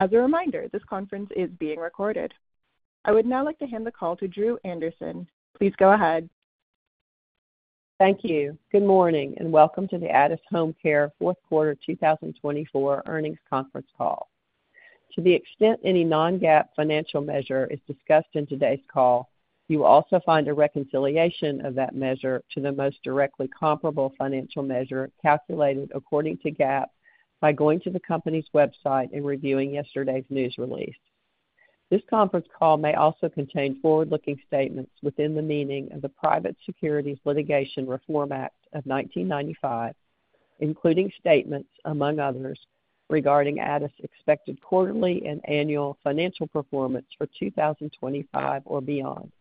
As a reminder, this conference is being recorded. I would now like to hand the call to Dru Anderson. Please go ahead. Thank you. Good morning and welcome to the Addus HomeCare fourth quarter 2024 earnings conference call. To the extent any non-GAAP financial measure is discussed in today's call, you will also find a reconciliation of that measure to the most directly comparable financial measure calculated according to GAAP by going to the company's website and reviewing yesterday's news release. This conference call may also contain forward-looking statements within the meaning of the Private Securities Litigation Reform Act of 1995, including statements, among others, regarding Addus' expected quarterly and annual financial performance for 2025 or beyond.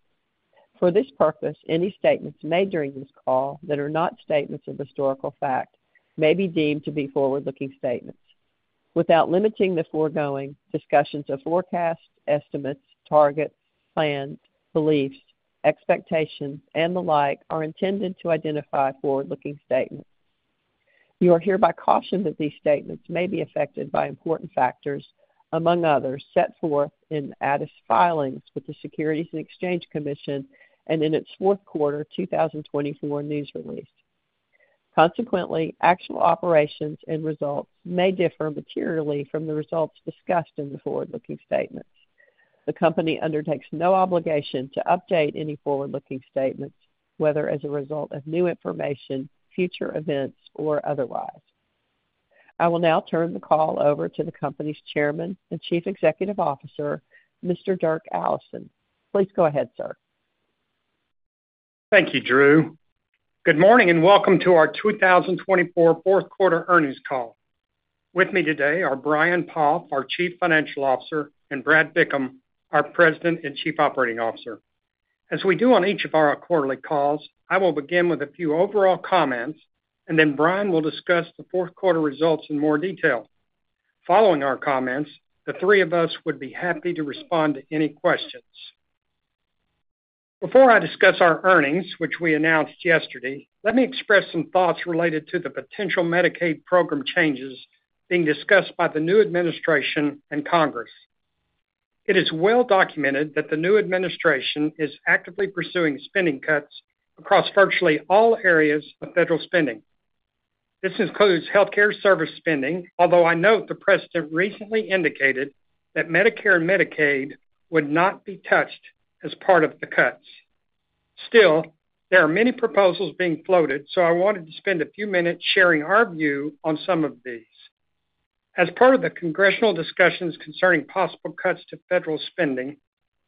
For this purpose, any statements made during this call that are not statements of historical fact may be deemed to be forward-looking statements. Without limiting the foregoing, discussions of forecasts, estimates, targets, plans, beliefs, expectations, and the like are intended to identify forward-looking statements. You are hereby cautioned that these statements may be affected by important factors, among others, set forth in Addus' filings with the Securities and Exchange Commission and in its fourth quarter 2024 news release. Consequently, actual operations and results may differ materially from the results discussed in the forward-looking statements. The company undertakes no obligation to update any forward-looking statements, whether as a result of new information, future events, or otherwise. I will now turn the call over to the company's Chairman and Chief Executive Officer, Mr. Dirk Allison. Please go ahead, sir. Thank you, Dru. Good morning and welcome to our 2024 fourth quarter earnings call. With me today are Brian Poff, our Chief Financial Officer, and Brad Bickham, our President and Chief Operating Officer. As we do on each of our quarterly calls, I will begin with a few overall comments, and then Brian will discuss the fourth quarter results in more detail. Following our comments, the three of us would be happy to respond to any questions. Before I discuss our earnings, which we announced yesterday, let me express some thoughts related to the potential Medicaid program changes being discussed by the new administration and Congress. It is well documented that the new administration is actively pursuing spending cuts across virtually all areas of federal spending. This includes healthcare service spending, although I note the President recently indicated that Medicare and Medicaid would not be touched as part of the cuts. Still, there are many proposals being floated, so I wanted to spend a few minutes sharing our view on some of these. As part of the congressional discussions concerning possible cuts to federal spending,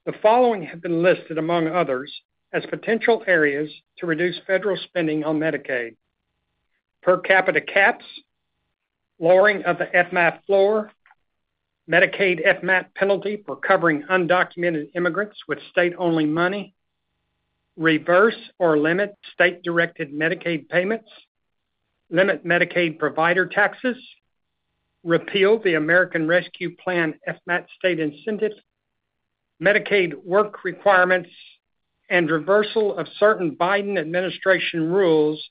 the following have been listed, among others, as potential areas to reduce federal spending on Medicaid: per capita caps, lowering of the FMAP floor, Medicaid FMAP penalty for covering undocumented immigrants with state-only money, reverse or limit state-directed Medicaid payments, limit Medicaid provider taxes, repeal the American Rescue Plan FMAP state incentives, Medicaid work requirements, and reversal of certain Biden administration rules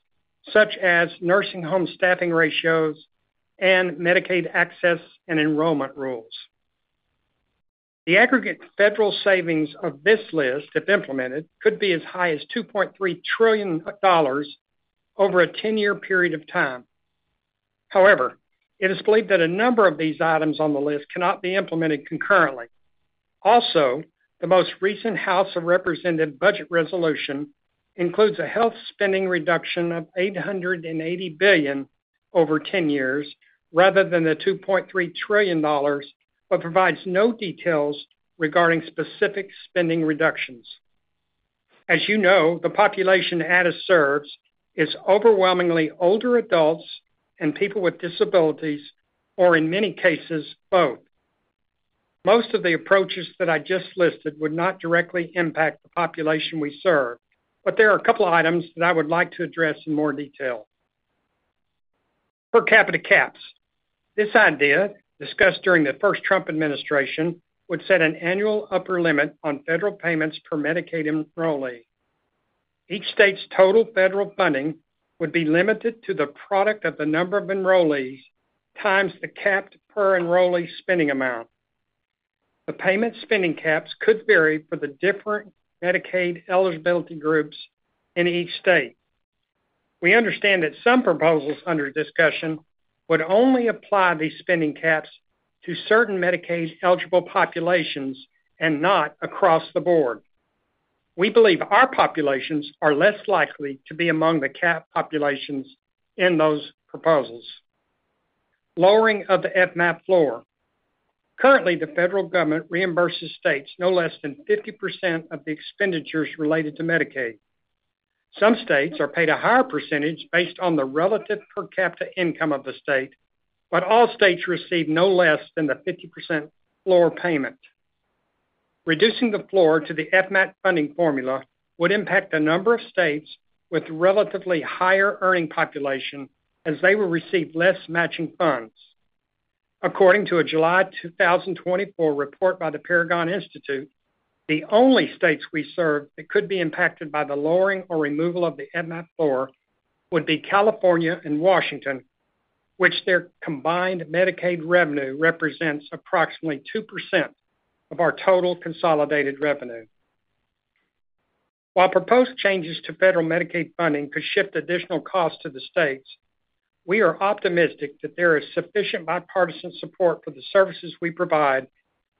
such as nursing home staffing ratios and Medicaid access and enrollment rules. The aggregate federal savings of this list, if implemented, could be as high as $2.3 trillion over a 10-year period of time. However, it is believed that a number of these items on the list cannot be implemented concurrently. Also, the most recent House of Representatives budget resolution includes a health spending reduction of $880 billion over 10 years rather than the $2.3 trillion, but provides no details regarding specific spending reductions. As you know, the population Addus serves is overwhelmingly older adults and people with disabilities, or in many cases, both. Most of the approaches that I just listed would not directly impact the population we serve, but there are a couple of items that I would like to address in more detail. Per capita caps, this idea, discussed during the first Trump administration, would set an annual upper limit on federal payments per Medicaid enrollee. Each state's total federal funding would be limited to the product of the number of enrollees times the capped per enrollee spending amount. The payment spending caps could vary for the different Medicaid eligibility groups in each state. We understand that some proposals under discussion would only apply these spending caps to certain Medicaid eligible populations and not across the board. We believe our populations are less likely to be among the capped populations in those proposals. Lowering of the FMAP floor. Currently, the federal government reimburses states no less than 50% of the expenditures related to Medicaid. Some states are paid a higher percentage based on the relative per capita income of the state, but all states receive no less than the 50% floor payment. Reducing the floor to the FMAP funding formula would impact a number of states with relatively higher earning population as they will receive less matching funds. According to a July 2024 report by the Paragon Institute, the only states we serve that could be impacted by the lowering or removal of the FMAP floor would be California and Washington, which their combined Medicaid revenue represents approximately 2% of our total consolidated revenue. While proposed changes to federal Medicaid funding could shift additional costs to the states, we are optimistic that there is sufficient bipartisan support for the services we provide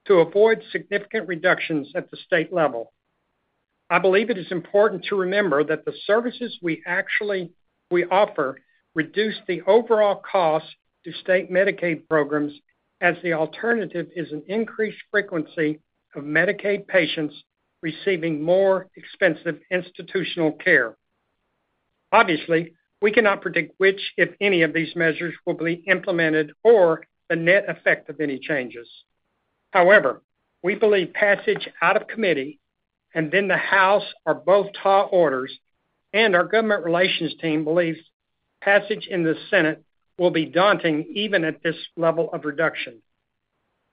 to avoid significant reductions at the state level. I believe it is important to remember that the services we actually offer reduce the overall cost to state Medicaid programs as the alternative is an increased frequency of Medicaid patients receiving more expensive institutional care. Obviously, we cannot predict which, if any, of these measures will be implemented or the net effect of any changes. However, we believe passage out of committee and then the House are both tall orders, and our government relations team believes passage in the Senate will be daunting even at this level of reduction.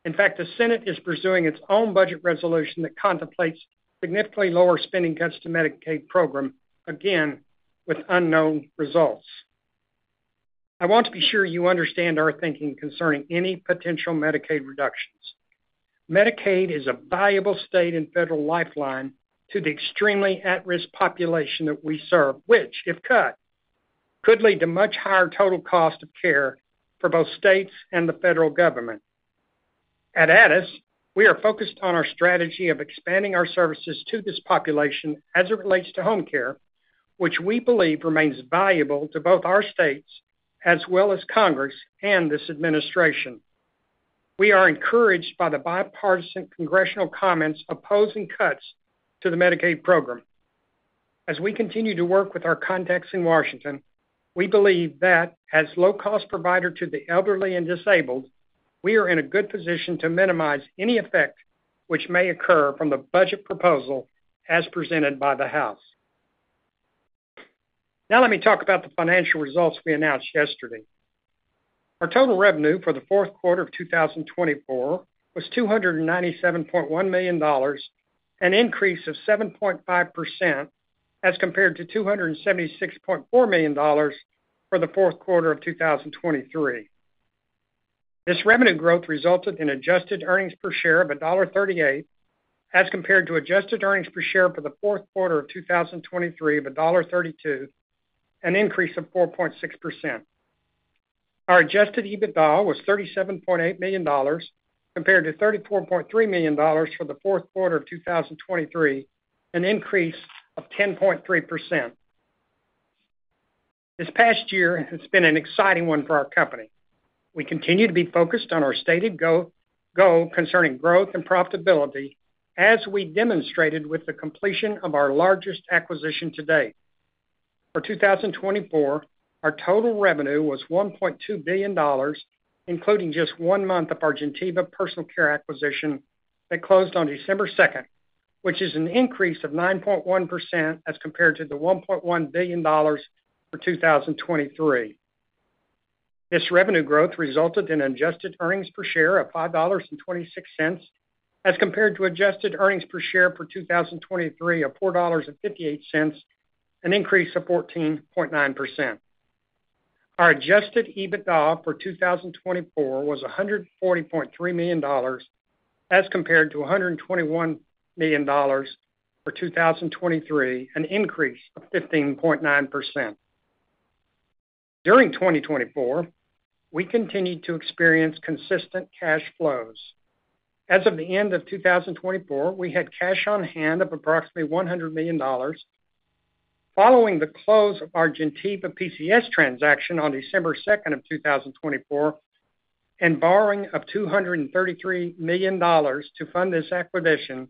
In fact, the Senate is pursuing its own budget resolution that contemplates significantly lower spending cuts to the Medicaid program, again with unknown results. I want to be sure you understand our thinking concerning any potential Medicaid reductions. Medicaid is a viable state and federal lifeline to the extremely at-risk population that we serve, which, if cut, could lead to much higher total cost of care for both states and the federal government. At Addus, we are focused on our strategy of expanding our services to this population as it relates to home care, which we believe remains valuable to both our states as well as Congress and this administration. We are encouraged by the bipartisan congressional comments opposing cuts to the Medicaid program. As we continue to work with our contacts in Washington, we believe that as low-cost providers to the elderly and disabled, we are in a good position to minimize any effect which may occur from the budget proposal as presented by the House. Now let me talk about the financial results we announced yesterday. Our total revenue for the fourth quarter of 2024 was $297.1 million, an increase of 7.5% as compared to $276.4 million for the fourth quarter of 2023. This revenue growth resulted in adjusted earnings per share of $1.38 as compared to adjusted earnings per share for the fourth quarter of 2023 of $1.32, an increase of 4.6%. Our Adjusted EBITDA was $37.8 million compared to $34.3 million for the fourth quarter of 2023, an increase of 10.3%. This past year has been an exciting one for our company. We continue to be focused on our stated goal concerning growth and profitability as we demonstrated with the completion of our largest acquisition to date. For 2024, our total revenue was $1.2 billion, including just one month of Gentiva Personal Care acquisition that closed on December 2nd, which is an increase of 9.1% as compared to the $1.1 billion for 2023. This revenue growth resulted in adjusted earnings per share of $5.26 as compared to adjusted earnings per share for 2023 of $4.58, an increase of 14.9%. Our Adjusted EBITDA for 2024 was $140.3 million as compared to $121 million for 2023, an increase of 15.9%. During 2024, we continued to experience consistent cash flows. As of the end of 2024, we had cash on hand of approximately $100 million. Following the close of our Gentiva PCS transaction on December 2nd of 2024 and borrowing of $233 million to fund this acquisition,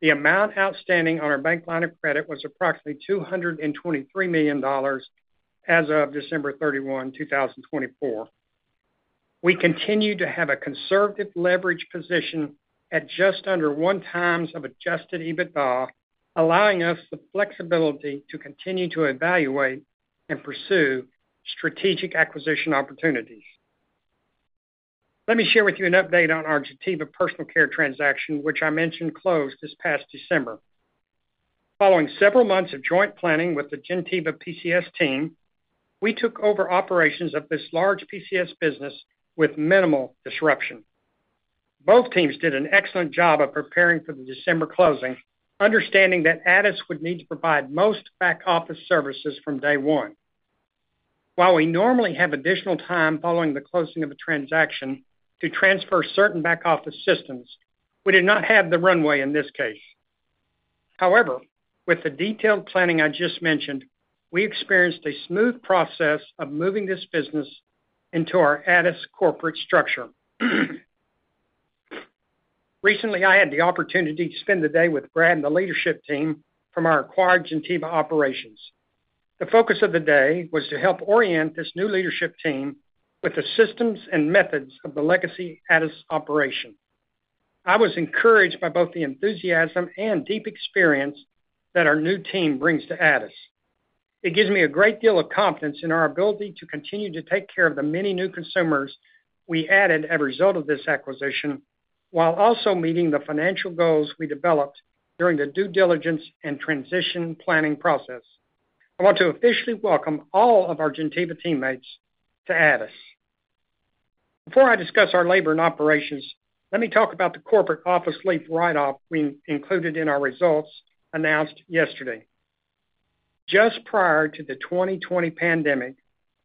the amount outstanding on our bank line of credit was approximately $223 million as of December 31, 2024. We continue to have a conservative leverage position at just under one times of Adjusted EBITDA, allowing us the flexibility to continue to evaluate and pursue strategic acquisition opportunities. Let me share with you an update on our Gentiva Personal Care transaction, which I mentioned closed this past December. Following several months of joint planning with the Gentiva PCS team, we took over operations of this large PCS business with minimal disruption. Both teams did an excellent job of preparing for the December closing, understanding that Addus would need to provide most back office services from day one. While we normally have additional time following the closing of a transaction to transfer certain back office systems, we did not have the runway in this case. However, with the detailed planning I just mentioned, we experienced a smooth process of moving this business into our Addus corporate structure. Recently, I had the opportunity to spend the day with Brad and the leadership team from our acquired Gentiva operations. The focus of the day was to help orient this new leadership team with the systems and methods of the legacy Addus operation. I was encouraged by both the enthusiasm and deep experience that our new team brings to Addus. It gives me a great deal of confidence in our ability to continue to take care of the many new consumers we added as a result of this acquisition, while also meeting the financial goals we developed during the due diligence and transition planning process. I want to officially welcome all of our Gentiva teammates to Addus. Before I discuss our labor and operations, let me talk about the corporate office lease write-off we included in our results announced yesterday. Just prior to the 2020 pandemic,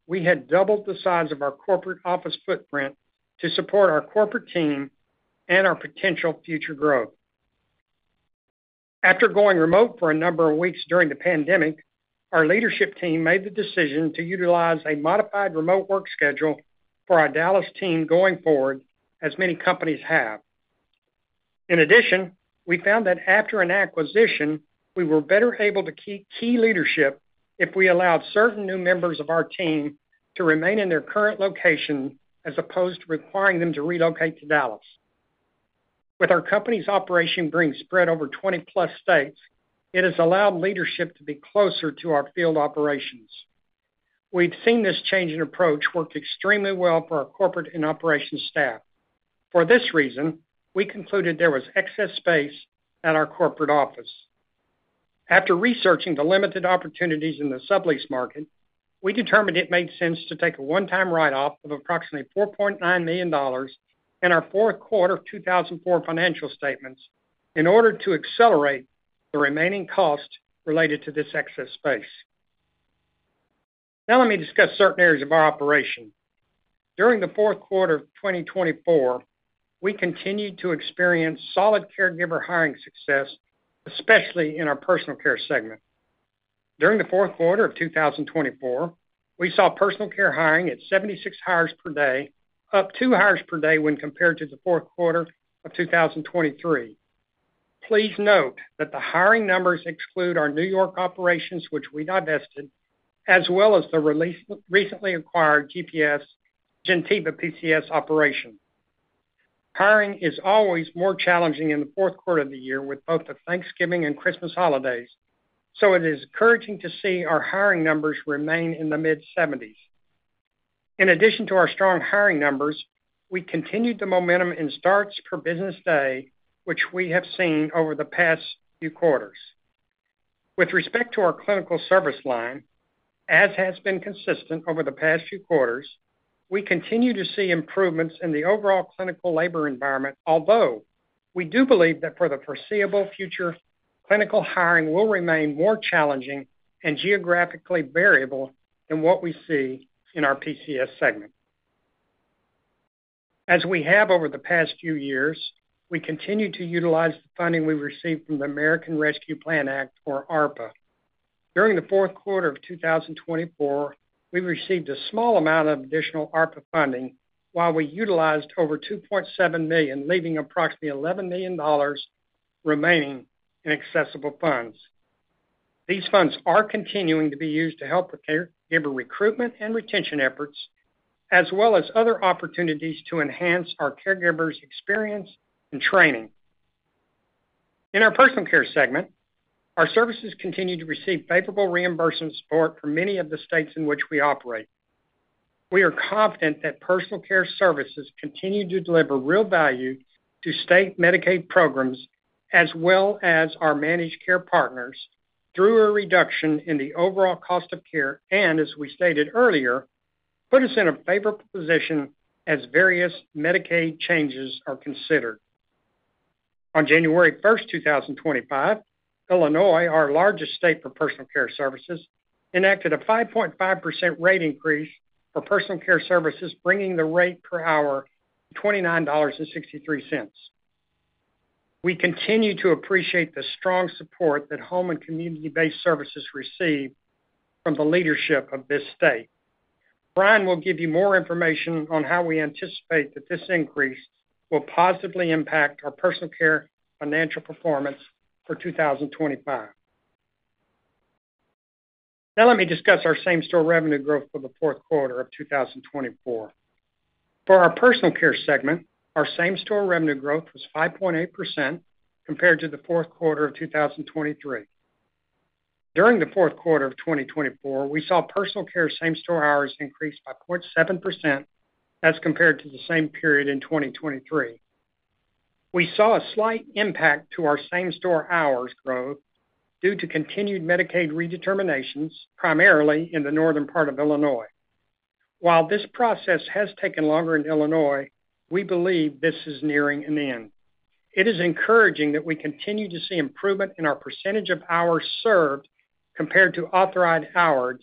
we had doubled the size of our corporate office footprint to support our corporate team and our potential future growth. After going remote for a number of weeks during the pandemic, our leadership team made the decision to utilize a modified remote work schedule for our Dallas team going forward, as many companies have. In addition, we found that after an acquisition, we were better able to keep key leadership if we allowed certain new members of our team to remain in their current location as opposed to requiring them to relocate to Dallas. With our company's operation being spread over 20-plus states, it has allowed leadership to be closer to our field operations. We've seen this change in approach work extremely well for our corporate and operations staff. For this reason, we concluded there was excess space at our corporate office. After researching the limited opportunities in the sublease market, we determined it made sense to take a one-time write-off of approximately $4.9 million in our fourth quarter of 2024 financial statements in order to accelerate the remaining cost related to this excess space. Now let me discuss certain areas of our operation. During the fourth quarter of 2024, we continued to experience solid caregiver hiring success, especially in our personal care segment. During the fourth quarter of 2024, we saw personal care hiring at 76 hires per day, up two hires per day when compared to the fourth quarter of 2023. Please note that the hiring numbers exclude our New York operations, which we divested, as well as the recently acquired Gentiva PCS operation. Hiring is always more challenging in the fourth quarter of the year with both the Thanksgiving and Christmas holidays, so it is encouraging to see our hiring numbers remain in the mid-70s. In addition to our strong hiring numbers, we continued the momentum in starts per business day, which we have seen over the past few quarters. With respect to our clinical service line, as has been consistent over the past few quarters, we continue to see improvements in the overall clinical labor environment, although we do believe that for the foreseeable future, clinical hiring will remain more challenging and geographically variable than what we see in our PCS segment. As we have over the past few years, we continue to utilize the funding we received from the American Rescue Plan Act, or ARPA. During the fourth quarter of 2024, we received a small amount of additional ARPA funding, while we utilized over $2.7 million, leaving approximately $11 million remaining in accessible funds. These funds are continuing to be used to help with caregiver recruitment and retention efforts, as well as other opportunities to enhance our caregivers' experience and training. In our personal care segment, our services continue to receive favorable reimbursement support for many of the states in which we operate. We are confident that personal care services continue to deliver real value to state Medicaid programs as well as our managed care partners through a reduction in the overall cost of care and, as we stated earlier, put us in a favorable position as various Medicaid changes are considered. On January 1st, 2025, Illinois, our largest state for personal care services, enacted a 5.5% rate increase for personal care services, bringing the rate per hour to $29.63. We continue to appreciate the strong support that home and community-based services receive from the leadership of this state. Brian will give you more information on how we anticipate that this increase will positively impact our personal care financial performance for 2025. Now let me discuss our same-store revenue growth for the fourth quarter of 2024. For our personal care segment, our same-store revenue growth was 5.8% compared to the fourth quarter of 2023. During the fourth quarter of 2024, we saw personal care same-store hours increase by 0.7% as compared to the same period in 2023. We saw a slight impact to our same-store hours growth due to continued Medicaid redeterminations, primarily in the northern part of Illinois. While this process has taken longer in Illinois, we believe this is nearing an end. It is encouraging that we continue to see improvement in our percentage of hours served compared to authorized hours,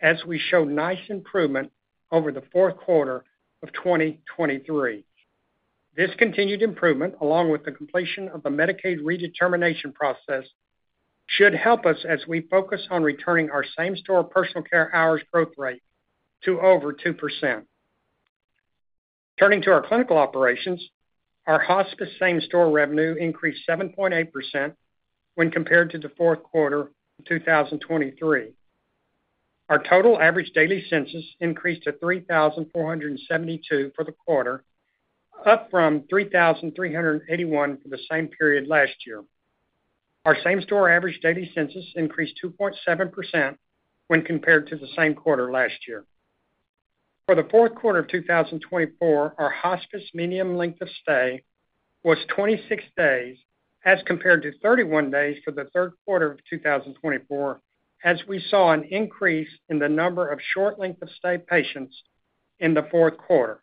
as we showed nice improvement over the fourth quarter of 2023. This continued improvement, along with the completion of the Medicaid redetermination process, should help us as we focus on returning our same-store personal care hours growth rate to over 2%. Turning to our clinical operations, our hospice same-store revenue increased 7.8% when compared to the fourth quarter of 2023. Our total average daily census increased to 3,472 for the quarter, up from 3,381 for the same period last year. Our same-store average daily census increased 2.7% when compared to the same quarter last year. For the fourth quarter of 2024, our hospice median length of stay was 26 days as compared to 31 days for the third quarter of 2024, as we saw an increase in the number of short length of stay patients in the fourth quarter.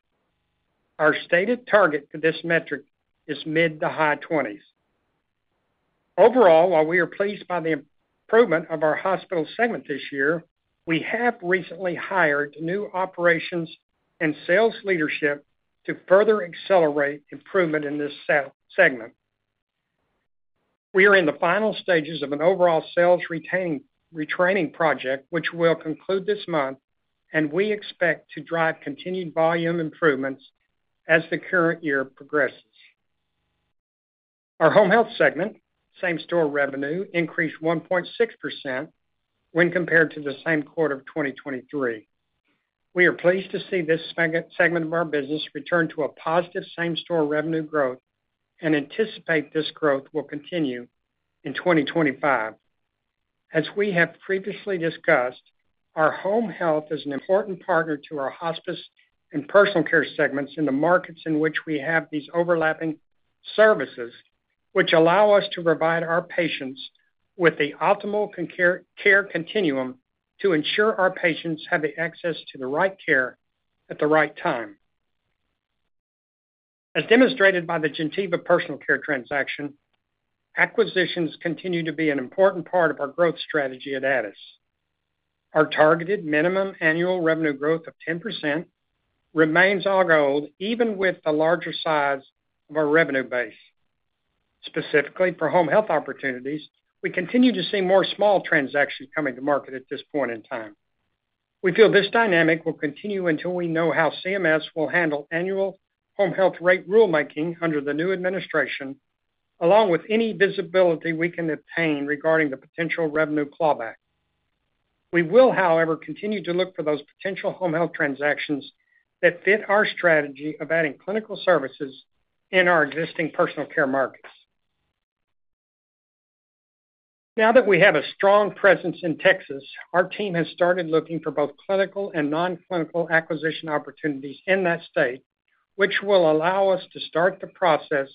Our stated target for this metric is mid to high 20s. Overall, while we are pleased by the improvement of our hospice segment this year, we have recently hired new operations and sales leadership to further accelerate improvement in this segment. We are in the final stages of an overall sales retraining project, which will conclude this month, and we expect to drive continued volume improvements as the current year progresses. Our home health segment, same-store revenue, increased 1.6% when compared to the same quarter of 2023. We are pleased to see this segment of our business return to a positive same-store revenue growth and anticipate this growth will continue in 2025. As we have previously discussed, our home health is an important partner to our hospice and personal care segments in the markets in which we have these overlapping services, which allow us to provide our patients with the optimal care continuum to ensure our patients have access to the right care at the right time. As demonstrated by the Gentiva Personal Care transaction, acquisitions continue to be an important part of our growth strategy at Addus. Our targeted minimum annual revenue growth of 10% remains our goal, even with the larger size of our revenue base. Specifically for home health opportunities, we continue to see more small transactions coming to market at this point in time. We feel this dynamic will continue until we know how CMS will handle annual home health rate rulemaking under the new administration, along with any visibility we can obtain regarding the potential revenue clawback. We will, however, continue to look for those potential home health transactions that fit our strategy of adding clinical services in our existing personal care markets. Now that we have a strong presence in Texas, our team has started looking for both clinical and non-clinical acquisition opportunities in that state, which will allow us to start the process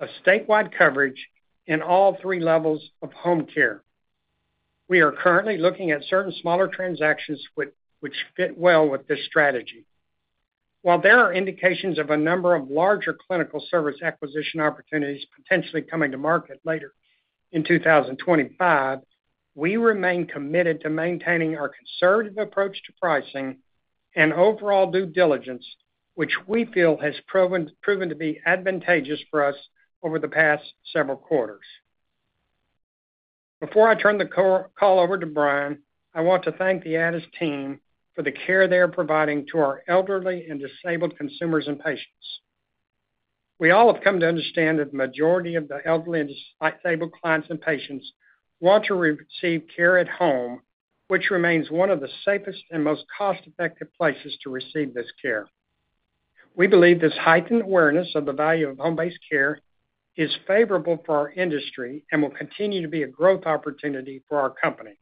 of statewide coverage in all three levels of home care. We are currently looking at certain smaller transactions which fit well with this strategy. While there are indications of a number of larger clinical service acquisition opportunities potentially coming to market later in 2025, we remain committed to maintaining our conservative approach to pricing and overall due diligence, which we feel has proven to be advantageous for us over the past several quarters. Before I turn the call over to Brian, I want to thank the Addus team for the care they are providing to our elderly and disabled consumers and patients. We all have come to understand that the majority of the elderly and disabled clients and patients want to receive care at home, which remains one of the safest and most cost-effective places to receive this care. We believe this heightened awareness of the value of home-based care is favorable for our industry and will continue to be a growth opportunity for our company.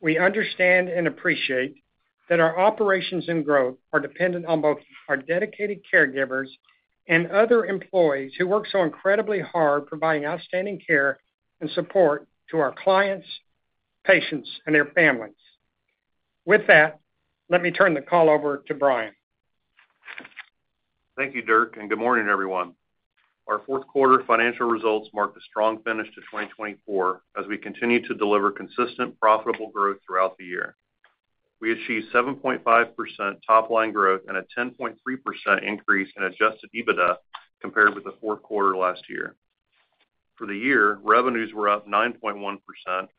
We understand and appreciate that our operations and growth are dependent on both our dedicated caregivers and other employees who work so incredibly hard providing outstanding care and support to our clients, patients, and their families. With that, let me turn the call over to Brian. Thank you, Dirk, and good morning, everyone. Our fourth quarter financial results marked a strong finish to 2024 as we continue to deliver consistent, profitable growth throughout the year. We achieved 7.5% top-line growth and a 10.3% increase in adjusted EBITDA compared with the fourth quarter last year. For the year, revenues were up 9.1%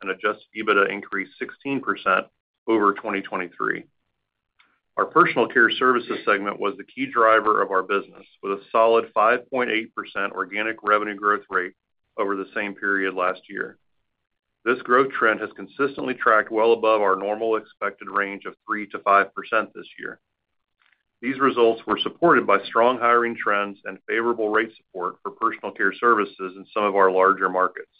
and adjusted EBITDA increased 16% over 2023. Our personal care services segment was the key driver of our business, with a solid 5.8% organic revenue growth rate over the same period last year. This growth trend has consistently tracked well above our normal expected range of 3%-5% this year. These results were supported by strong hiring trends and favorable rate support for personal care services in some of our larger markets.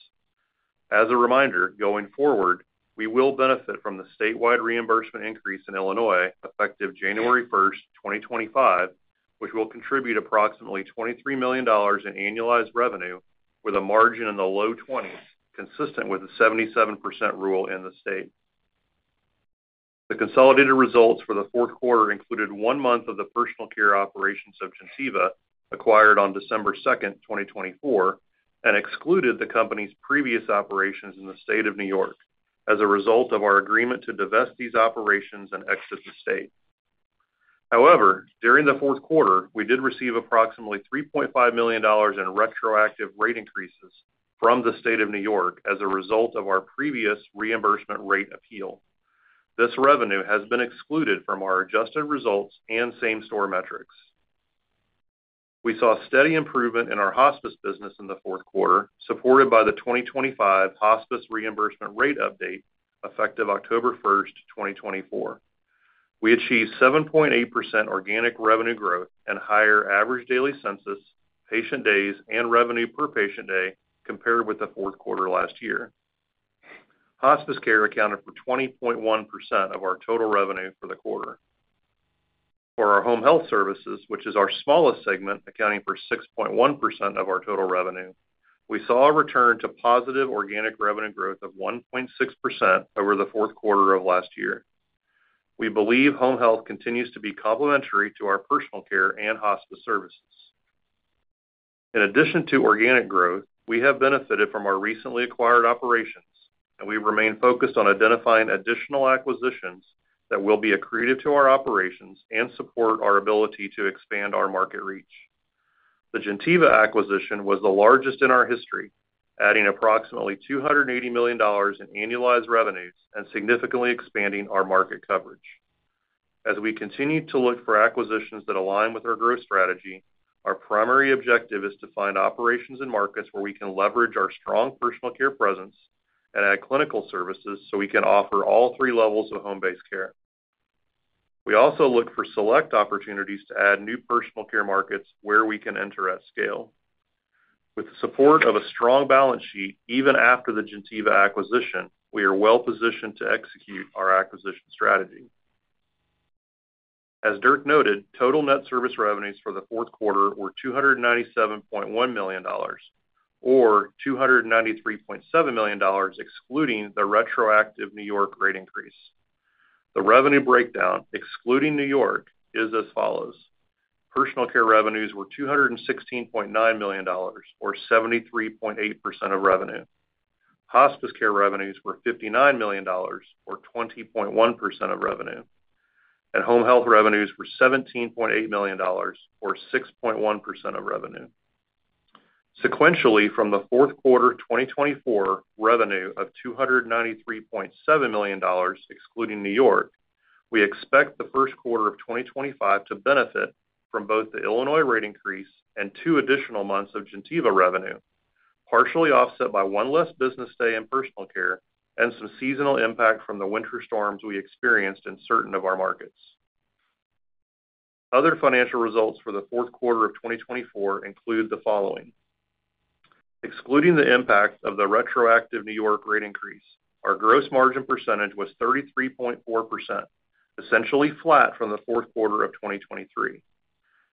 As a reminder, going forward, we will benefit from the statewide reimbursement increase in Illinois effective January 1st, 2025, which will contribute approximately $23 million in annualized revenue, with a margin in the low 20s, consistent with the 77% rule in the state. The consolidated results for the fourth quarter included one month of the personal care operations of Gentiva acquired on December 2nd, 2024, and excluded the company's previous operations in the state of New York as a result of our agreement to divest these operations and exit the state. However, during the fourth quarter, we did receive approximately $3.5 million in retroactive rate increases from the state of New York as a result of our previous reimbursement rate appeal. This revenue has been excluded from our adjusted results and same-store metrics. We saw steady improvement in our hospice business in the fourth quarter, supported by the 2025 hospice reimbursement rate update effective October 1st, 2024. We achieved 7.8% organic revenue growth and higher average daily census, patient days, and revenue per patient day compared with the fourth quarter last year. Hospice care accounted for 20.1% of our total revenue for the quarter. For our home health services, which is our smallest segment, accounting for 6.1% of our total revenue, we saw a return to positive organic revenue growth of 1.6% over the fourth quarter of last year. We believe home health continues to be complementary to our personal care and hospice services. In addition to organic growth, we have benefited from our recently acquired operations, and we remain focused on identifying additional acquisitions that will be accretive to our operations and support our ability to expand our market reach. The Gentiva acquisition was the largest in our history, adding approximately $280 million in annualized revenues and significantly expanding our market coverage. As we continue to look for acquisitions that align with our growth strategy, our primary objective is to find operations and markets where we can leverage our strong personal care presence and add clinical services so we can offer all three levels of home-based care. We also look for select opportunities to add new personal care markets where we can enter at scale. With the support of a strong balance sheet, even after the Gentiva acquisition, we are well positioned to execute our acquisition strategy. As Dirk noted, total net service revenues for the fourth quarter were $297.1 million, or $293.7 million excluding the retroactive New York rate increase. The revenue breakdown, excluding New York, is as follows. Personal care revenues were $216.9 million, or 73.8% of revenue. Hospice care revenues were $59 million, or 20.1% of revenue. And home health revenues were $17.8 million, or 6.1% of revenue. Sequentially, from the fourth quarter 2024 revenue of $293.7 million, excluding New York, we expect the first quarter of 2025 to benefit from both the Illinois rate increase and two additional months of Gentiva revenue, partially offset by one less business day in personal care and some seasonal impact from the winter storms we experienced in certain of our markets. Other financial results for the fourth quarter of 2024 include the following. Excluding the impact of the retroactive New York rate increase, our gross margin percentage was 33.4%, essentially flat from the fourth quarter of 2023.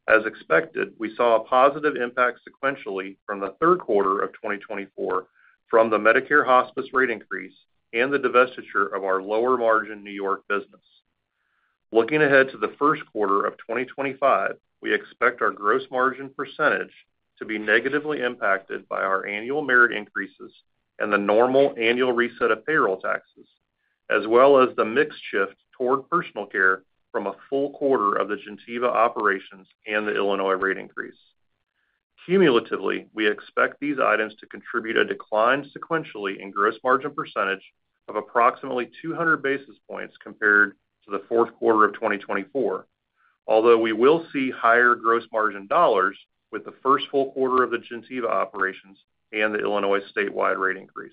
As expected, we saw a positive impact sequentially from the third quarter of 2024 from the Medicare hospice rate increase and the divestiture of our lower margin New York business. Looking ahead to the first quarter of 2025, we expect our gross margin percentage to be negatively impacted by our annual merit increases and the normal annual reset of payroll taxes, as well as the mix shift toward personal care from a full quarter of the Gentiva operations and the Illinois rate increase. Cumulatively, we expect these items to contribute a decline sequentially in gross margin percentage of approximately 200 basis points compared to the fourth quarter of 2024, although we will see higher gross margin dollars with the first full quarter of the Gentiva operations and the Illinois statewide rate increase.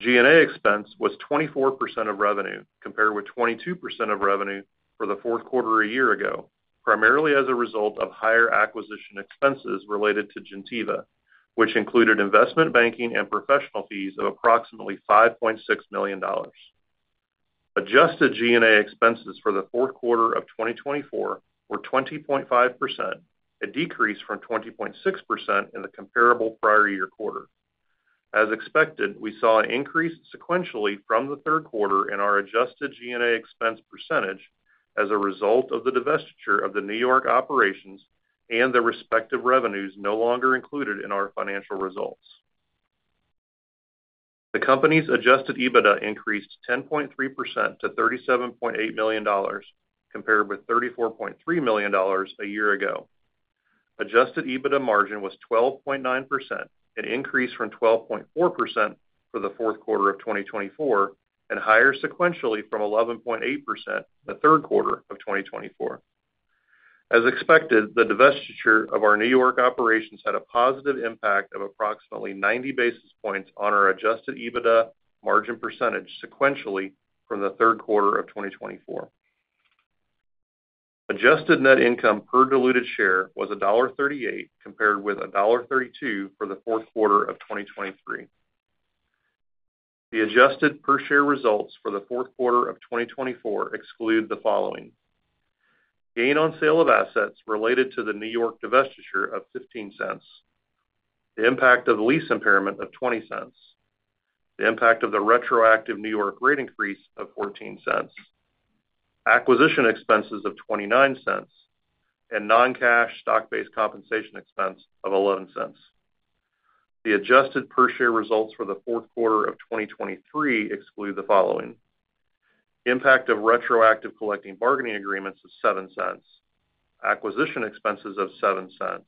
G&A expense was 24% of revenue compared with 22% of revenue for the fourth quarter a year ago, primarily as a result of higher acquisition expenses related to Gentiva, which included investment banking and professional fees of approximately $5.6 million. Adjusted G&A expenses for the fourth quarter of 2024 were 20.5%, a decrease from 20.6% in the comparable prior year quarter. As expected, we saw an increase sequentially from the third quarter in our adjusted G&A expense percentage as a result of the divestiture of the New York operations and the respective revenues no longer included in our financial results. The company's Adjusted EBITDA increased 10.3% to $37.8 million compared with $34.3 million a year ago. Adjusted EBITDA margin was 12.9%, an increase from 12.4% for the fourth quarter of 2024, and higher sequentially from 11.8% the third quarter of 2024. As expected, the divestiture of our New York operations had a positive impact of approximately 90 basis points on our Adjusted EBITDA margin percentage sequentially from the third quarter of 2024. Adjusted net income per diluted share was $1.38 compared with $1.32 for the fourth quarter of 2023. The adjusted per share results for the fourth quarter of 2024 exclude the following: gain on sale of assets related to the New York divestiture of $0.15, the impact of the lease impairment of $0.20, the impact of the retroactive New York rate increase of $0.14, acquisition expenses of $0.29, and non-cash stock-based compensation expense of $0.11. The adjusted per share results for the fourth quarter of 2023 exclude the following: impact of retroactive collective bargaining agreements of $0.07, acquisition expenses of $0.07,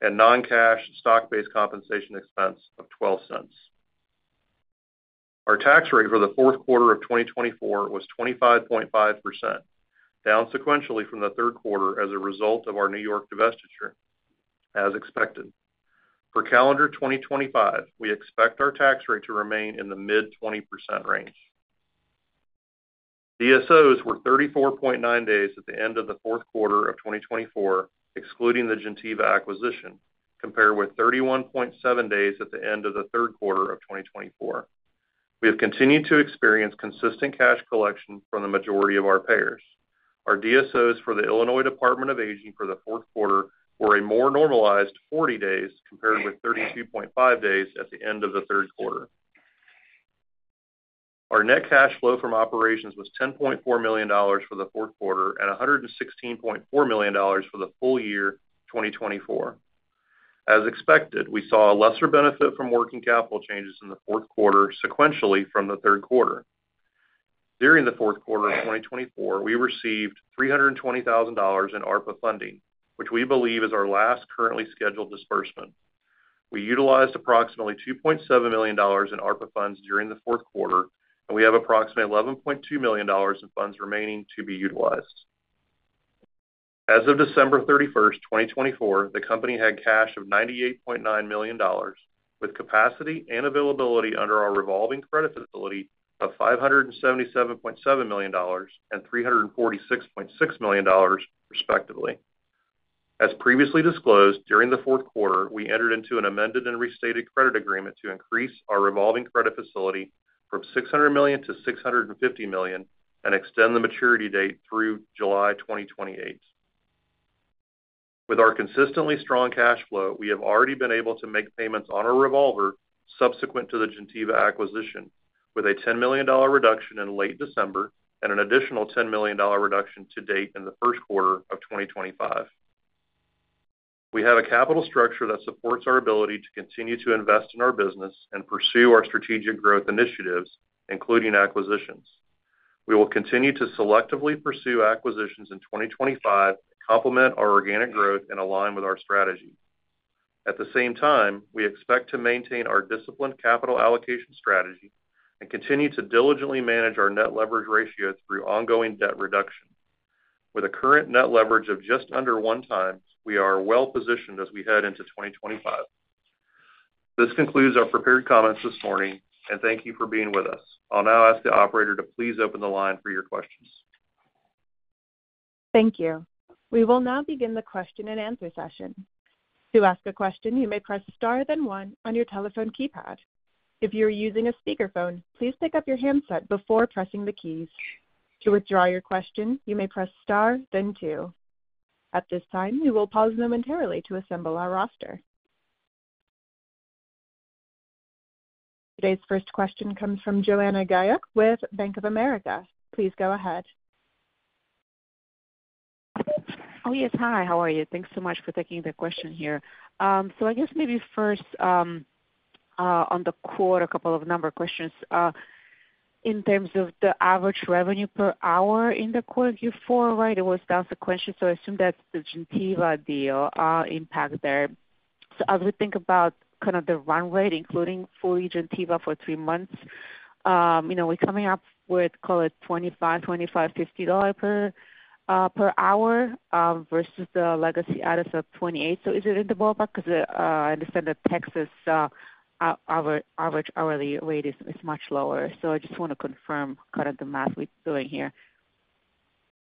and non-cash stock-based compensation expense of $0.12. Our tax rate for the fourth quarter of 2024 was 25.5%, down sequentially from the third quarter as a result of our New York divestiture, as expected. For calendar 2025, we expect our tax rate to remain in the mid-20% range. DSOs were 34.9 days at the end of the fourth quarter of 2024, excluding the Gentiva acquisition, compared with 31.7 days at the end of the third quarter of 2024. We have continued to experience consistent cash collection from the majority of our payers. Our DSOs for the Illinois Department on Aging for the fourth quarter were a more normalized 40 days compared with 32.5 days at the end of the third quarter. Our net cash flow from operations was $10.4 million for the fourth quarter and $116.4 million for the full year 2024. As expected, we saw a lesser benefit from working capital changes in the fourth quarter sequentially from the third quarter. During the fourth quarter of 2024, we received $320,000 in ARPA funding, which we believe is our last currently scheduled disbursement. We utilized approximately $2.7 million in ARPA funds during the fourth quarter, and we have approximately $11.2 million in funds remaining to be utilized. As of December 31st, 2024, the company had cash of $98.9 million, with capacity and availability under our revolving credit facility of $577.7 million and $346.6 million, respectively. As previously disclosed, during the fourth quarter, we entered into an amended and restated credit agreement to increase our revolving credit facility from $600 million to $650 million and extend the maturity date through July 2028. With our consistently strong cash flow, we have already been able to make payments on our revolver subsequent to the Gentiva acquisition, with a $10 million reduction in late December and an additional $10 million reduction to date in the first quarter of 2025. We have a capital structure that supports our ability to continue to invest in our business and pursue our strategic growth initiatives, including acquisitions. We will continue to selectively pursue acquisitions in 2025 to complement our organic growth and align with our strategy. At the same time, we expect to maintain our disciplined capital allocation strategy and continue to diligently manage our net leverage ratio through ongoing debt reduction. With a current net leverage of just under one time, we are well positioned as we head into 2025. This concludes our prepared comments this morning, and thank you for being with us. I'll now ask the operator to please open the line for your questions. Thank you. We will now begin the question and answer session. To ask a question, you may press star then one on your telephone keypad. If you are using a speakerphone, please pick up your handset before pressing the keys. To withdraw your question, you may press star then two. At this time, we will pause momentarily to assemble our roster. Today's first question comes from Joanna Gajuk with Bank of America. Please go ahead. Oh, yes. Hi, how are you? Thanks so much for taking the question here. So I guess maybe first, on the quarter, a couple of number questions. In terms of the average revenue per hour in the quarter Q4, right, it was down sequentially, so I assume that's the Gentiva deal impact there. So as we think about kind of the run rate, including fully Gentiva for three months, we're coming up with, call it, $25-$25.50 per hour versus the legacy Addus of $28. So is it in the ballpark? Because I understand that Texas' average hourly rate is much lower. So I just want to confirm kind of the math we're doing here.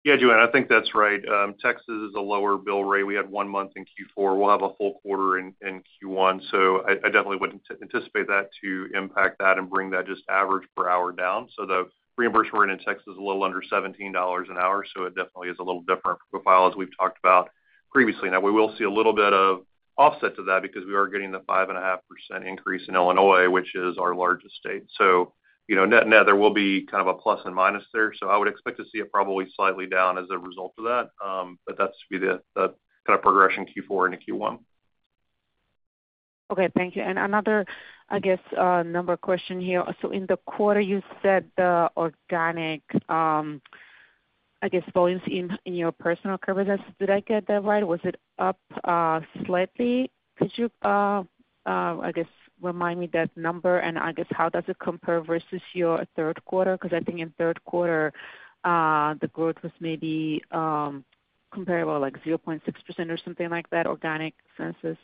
Yeah, Joanna, I think that's right. Texas is a lower bill rate. We had one month in Q4. We'll have a full quarter in Q1. So I definitely wouldn't anticipate that to impact that and bring that just average per hour down. So the reimbursement rate in Texas is a little under $17 an hour, so it definitely is a little different profile as we've talked about previously. Now, we will see a little bit of offset to that because we are getting the 5.5% increase in Illinois, which is our largest state. So net-net, there will be kind of a plus and minus there. So I would expect to see it probably slightly down as a result of that, but that's to be the kind of progression Q4 into Q1. Okay. Thank you. And another, I guess, number question here. So in the quarter, you said the organic, I guess, volumes in your personal care. Did I get that right? Was it up slightly? Could you, I guess, remind me that number? And I guess, how does it compare versus your third quarter? Because I think in third quarter, the growth was maybe comparable, like 0.6% or something like that, organic census?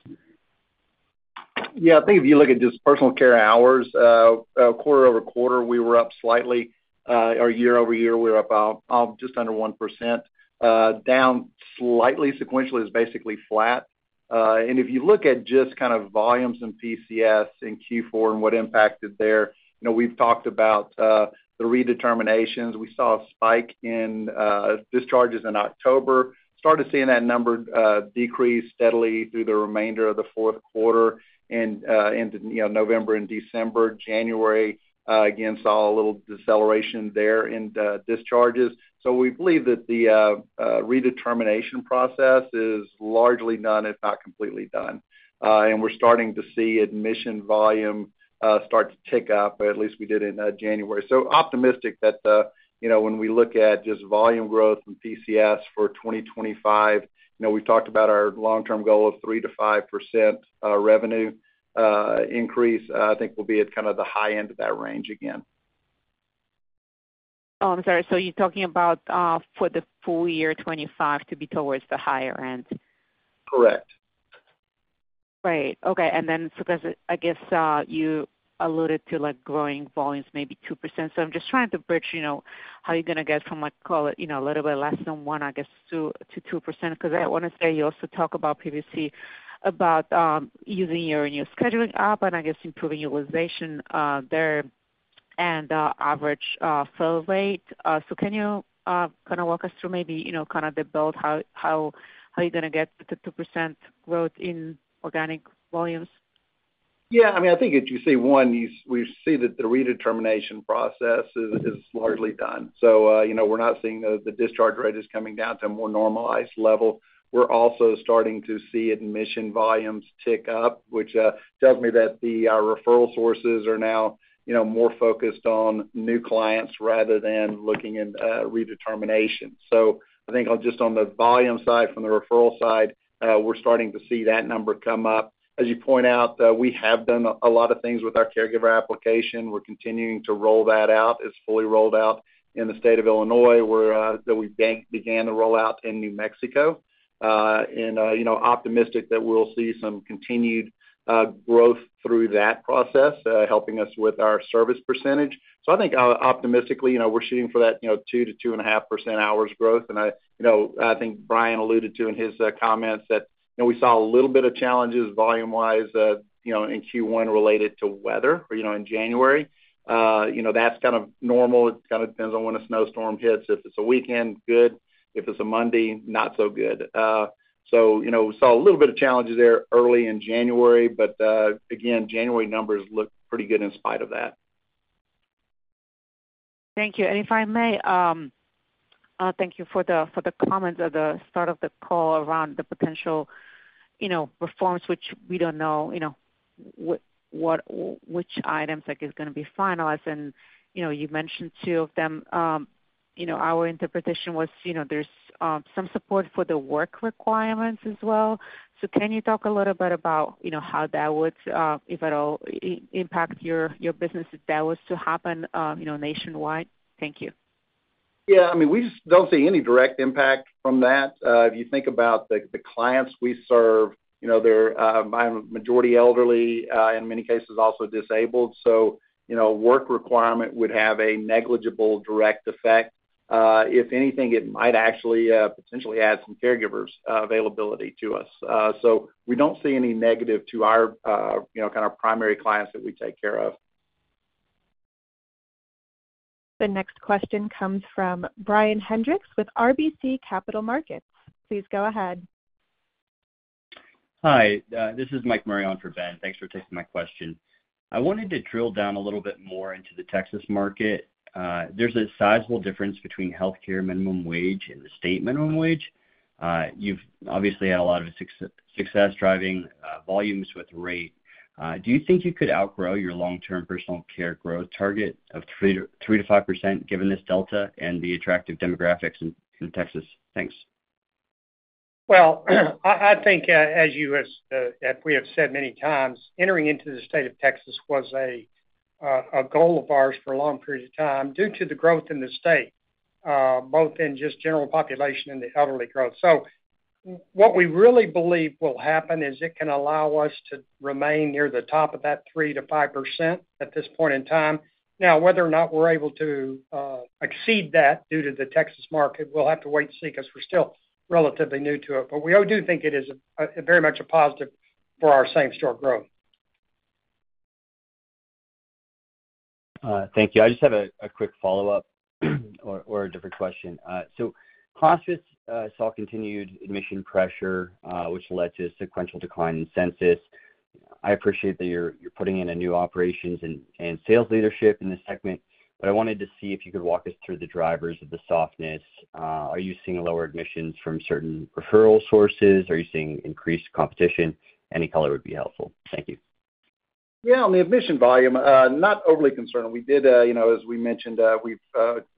Yeah. I think if you look at just personal care hours, quarter-over-quarter, we were up slightly. Our year-over-year, we were up just under 1%. Down slightly sequentially is basically flat. And if you look at just kind of volumes and PCS in Q4 and what impacted there, we've talked about the redeterminations. We saw a spike in discharges in October. Started seeing that number decrease steadily through the remainder of the fourth quarter into November and December. January, again, saw a little deceleration there in discharges. So we believe that the redetermination process is largely done, if not completely done. And we're starting to see admission volume start to tick up, at least we did in January. So optimistic that when we look at just volume growth and PCS for 2025, we've talked about our long-term goal of 3%-5% revenue increase. I think we'll be at kind of the high end of that range again. Oh, I'm sorry. So you're talking about for the full year 2025 to be towards the higher end? Correct. Right. Okay. And then, because I guess you alluded to growing volumes, maybe 2%. So I'm just trying to bridge how you're going to get from, call it, a little bit less than one, I guess, to 2%. Because I want to say you also talk about previously about using your new scheduling app and, I guess, improving utilization there and average fill rate. So can you kind of walk us through maybe kind of the build, how you're going to get the 2% growth in organic volumes? Yeah. I mean, I think if you see one, we see that the redetermination process is largely done. So we're not seeing the discharge rate is coming down to a more normalized level. We're also starting to see admission volumes tick up, which tells me that the referral sources are now more focused on new clients rather than looking at redetermination. I think just on the volume side from the referral side, we're starting to see that number come up. As you point out, we have done a lot of things with our caregiver application. We're continuing to roll that out. It's fully rolled out in the state of Illinois. We began the rollout in New Mexico. And optimistic that we'll see some continued growth through that process, helping us with our service percentage. I think optimistically, we're shooting for that 2-2.5% hours growth. And I think Brian alluded to in his comments that we saw a little bit of challenges volume-wise in Q1 related to weather in January. That's kind of normal. It kind of depends on when a snowstorm hits. If it's a weekend, good. If it's a Monday, not so good. So we saw a little bit of challenges there early in January, but again, January numbers look pretty good in spite of that. Thank you. And if I may, thank you for the comments at the start of the call around the potential reforms, which we don't know which items are going to be finalized. And you mentioned two of them. Our interpretation was there's some support for the work requirements as well. So can you talk a little bit about how that would, if at all, impact your business if that was to happen nationwide? Thank you. Yeah. I mean, we just don't see any direct impact from that. If you think about the clients we serve, they're majority elderly, in many cases also disabled. So work requirement would have a negligible direct effect. If anything, it might actually potentially add some caregivers' availability to us. So we don't see any negative to our kind of primary clients that we take care of. The next question comes from Brian Hendrix with RBC Capital Markets. Please go ahead. Hi. This is Mike Murray on for Ben. Thanks for taking my question. I wanted to drill down a little bit more into the Texas market. There's a sizable difference between healthcare minimum wage and the state minimum wage. You've obviously had a lot of success driving volumes with rate. Do you think you could outgrow your long-term personal care growth target of 3%-5% given this delta and the attractive demographics in Texas? Thanks. Well, I think, as we have said many times, entering into the state of Texas was a goal of ours for a long period of time due to the growth in the state, both in just general population and the elderly growth. So what we really believe will happen is it can allow us to remain near the top of that 3%-5% at this point in time. Now, whether or not we're able to exceed that due to the Texas market, we'll have to wait and see because we're still relatively new to it. But we do think it is very much a positive for our same-store growth. Thank you. I just have a quick follow-up or a different question. So costs have saw continued admission pressure, which led to a sequential decline in census. I appreciate that you're putting in a new operations and sales leadership in this segment, but I wanted to see if you could walk us through the drivers of the softness. Are you seeing lower admissions from certain referral sources? Are you seeing increased competition? Any color would be helpful. Thank you. Yeah. On the admission volume, not overly concerned. We did, as we mentioned, we've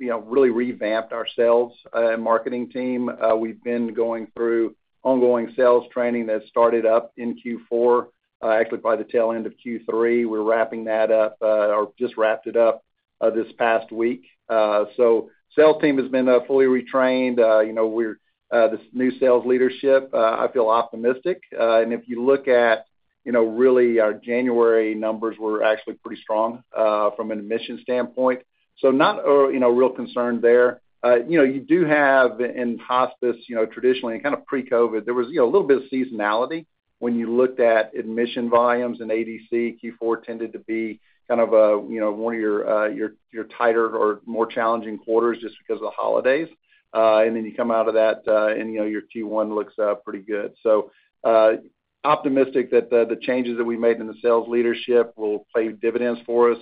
really revamped our sales and marketing team. We've been going through ongoing sales training that started up in Q4, actually by the tail end of Q3. We're wrapping that up or just wrapped it up this past week. So sales team has been fully retrained. This new sales leadership, I feel optimistic. And if you look at really our January numbers, we're actually pretty strong from an admission standpoint. So not a real concern there. You do have in hospice traditionally and kind of pre-COVID, there was a little bit of seasonality. When you looked at admission volumes in ADC, Q4 tended to be kind of one of your tighter or more challenging quarters just because of the holidays. And then you come out of that and your Q1 looks pretty good. So optimistic that the changes that we made in the sales leadership will pay dividends for us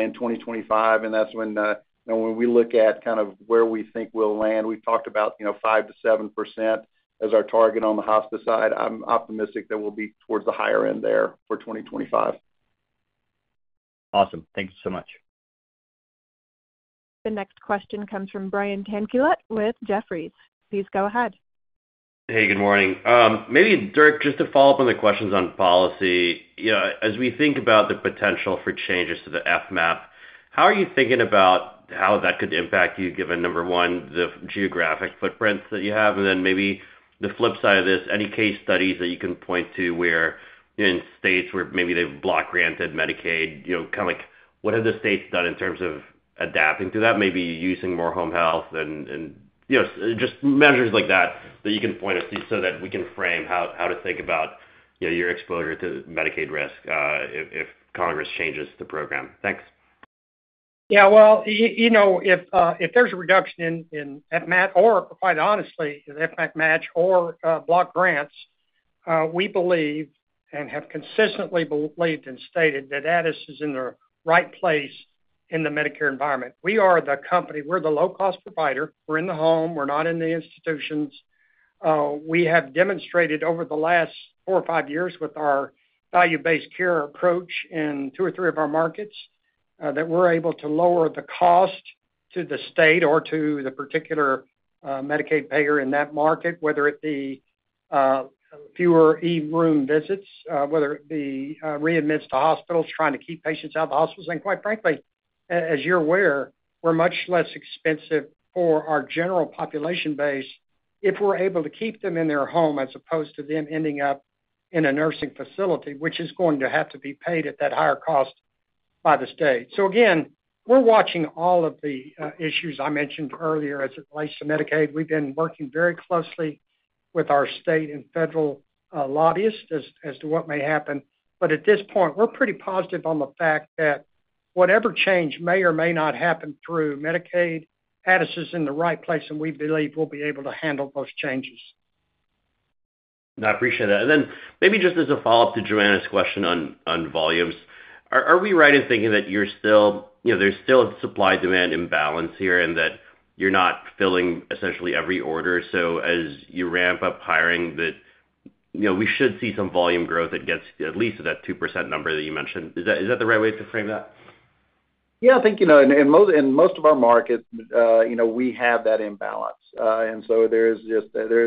in 2025. And that's when we look at kind of where we think we'll land. We've talked about 5%-7% as our target on the hospice side. I'm optimistic that we'll be towards the higher end there for 2025. Awesome. Thank you so much. The next question comes from Brian Tanquilut with Jefferies. Please go ahead. Hey, good morning. Maybe, Dirk, just to follow up on the questions on policy. As we think about the potential for changes to the FMAP, how are you thinking about how that could impact you, given, number one, the geographic footprints that you have? And then maybe the flip side of this, any case studies that you can point to where in states where maybe they've block-granted Medicaid, kind of what have the states done in terms of adapting to that, maybe using more home health and just measures like that that you can point us to so that we can frame how to think about your exposure to Medicaid risk if Congress changes the program? Thanks. Yeah. Well, if there's a reduction in FMAP or, quite honestly, FMAP match or block grants, we believe and have consistently believed and stated that Addus is in the right place in the Medicare environment. We are the company. We're the low-cost provider. We're in the home. We're not in the institutions. We have demonstrated over the last four or five years with our value-based care approach in two or three of our markets that we're able to lower the cost to the state or to the particular Medicaid payer in that market, whether it be fewer e-room visits, whether it be readmits to hospitals, trying to keep patients out of the hospitals, and quite frankly, as you're aware, we're much less expensive for our general population base if we're able to keep them in their home as opposed to them ending up in a nursing facility, which is going to have to be paid at that higher cost by the state, so again, we're watching all of the issues I mentioned earlier as it relates to Medicaid. We've been working very closely with our state and federal lobbyists as to what may happen. But at this point, we're pretty positive on the fact that whatever change may or may not happen through Medicaid, Addus is in the right place, and we believe we'll be able to handle those changes. I appreciate that. And then maybe just as a follow-up to Joanna's question on volumes, are we right in thinking that there's still supply-demand imbalance here and that you're not filling essentially every order? So as you ramp up hiring, that we should see some volume growth that gets at least to that 2% number that you mentioned. Is that the right way to frame that? Yeah. I think in most of our markets, we have that imbalance. And so there is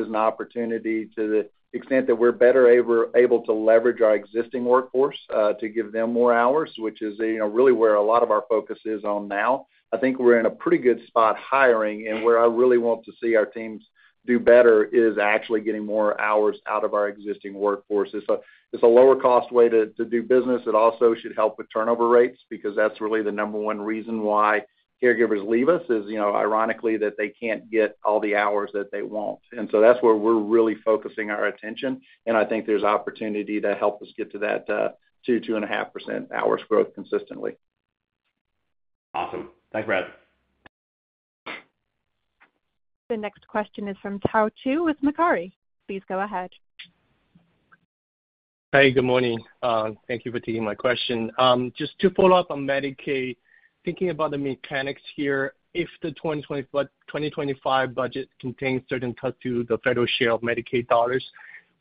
an opportunity to the extent that we're better able to leverage our existing workforce to give them more hours, which is really where a lot of our focus is on now. I think we're in a pretty good spot hiring. And where I really want to see our teams do better is actually getting more hours out of our existing workforce. It's a lower-cost way to do business. It also should help with turnover rates because that's really the number one reason why caregivers leave us is, ironically, that they can't get all the hours that they want. And so that's where we're really focusing our attention. And I think there's opportunity to help us get to that 2-2.5% hours growth consistently. Awesome. Thanks, Brad. The next question is from Tao Qiu with Macquarie. Please go ahead. Hey, good morning. Thank you for taking my question. Just to follow up on Medicaid, thinking about the mechanics here, if the 2025 budget contains certain cuts to the federal share of Medicaid dollars,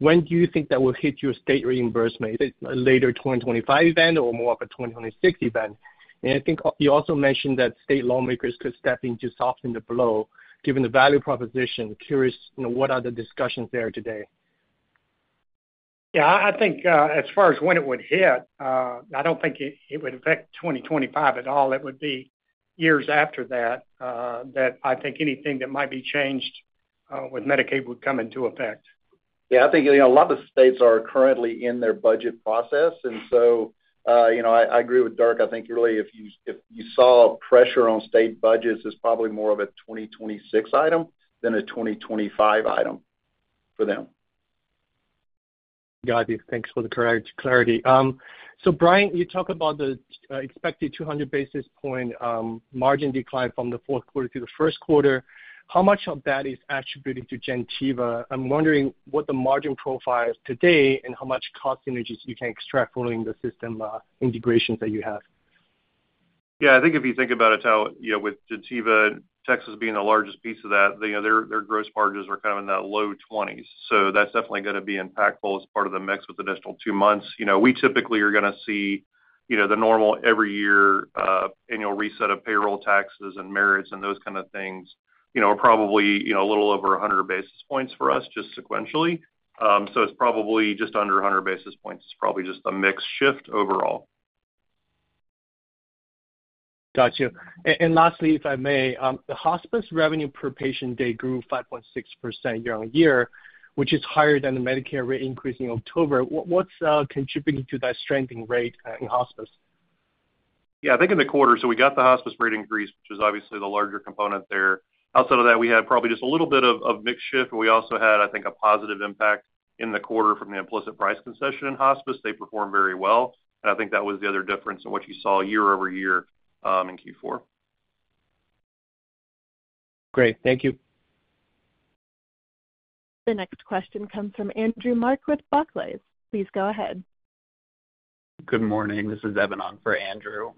when do you think that will hit your state reimbursement? A later 2025 event or more of a 2026 event? And I think you also mentioned that state lawmakers could step in to soften the blow given the value proposition. Curious what are the discussions there today? Yeah. I think as far as when it would hit, I don't think it would affect 2025 at all. It would be years after that that I think anything that might be changed with Medicaid would come into effect. Yeah. I think a lot of the states are currently in their budget process, and so I agree with Dirk. I think really if you saw pressure on state budgets, it's probably more of a 2026 item than a 2025 item for them. Got it. Thanks for the clarity. So Brian, you talked about the expected 200 basis points margin decline from the fourth quarter to the first quarter. How much of that is attributed to Gentiva? I'm wondering what the margin profile is today and how much cost synergies you can extract following the system integrations that you have. Yeah. I think if you think about it with Gentiva, Texas being the largest piece of that, their gross margins are kind of in the low 20s. So that's definitely going to be impactful as part of the mix with additional two months. We typically are going to see the normal every year annual reset of payroll taxes and merits and those kind of things are probably a little over 100 basis points for us just sequentially, so it's probably just under 100 basis points. It's probably just a mix shift overall. Gotcha and lastly, if I may, the hospice revenue per patient day grew 5.6% year-on-year, which is higher than the Medicare rate increase in October. What's contributing to that strengthening rate in hospice? Yeah. I think in the quarter, so we got the hospice rate increase, which is obviously the larger component there. Outside of that, we had probably just a little bit of mix shift. We also had, I think, a positive impact in the quarter from the implicit price concession in hospice. They performed very well. And I think that was the other difference in what you saw year-over-year in Q4. Great. Thank you. The next question comes from Andrew Mok with Barclays. Please go ahead. Good morning. This is Evan Ng for Andrew.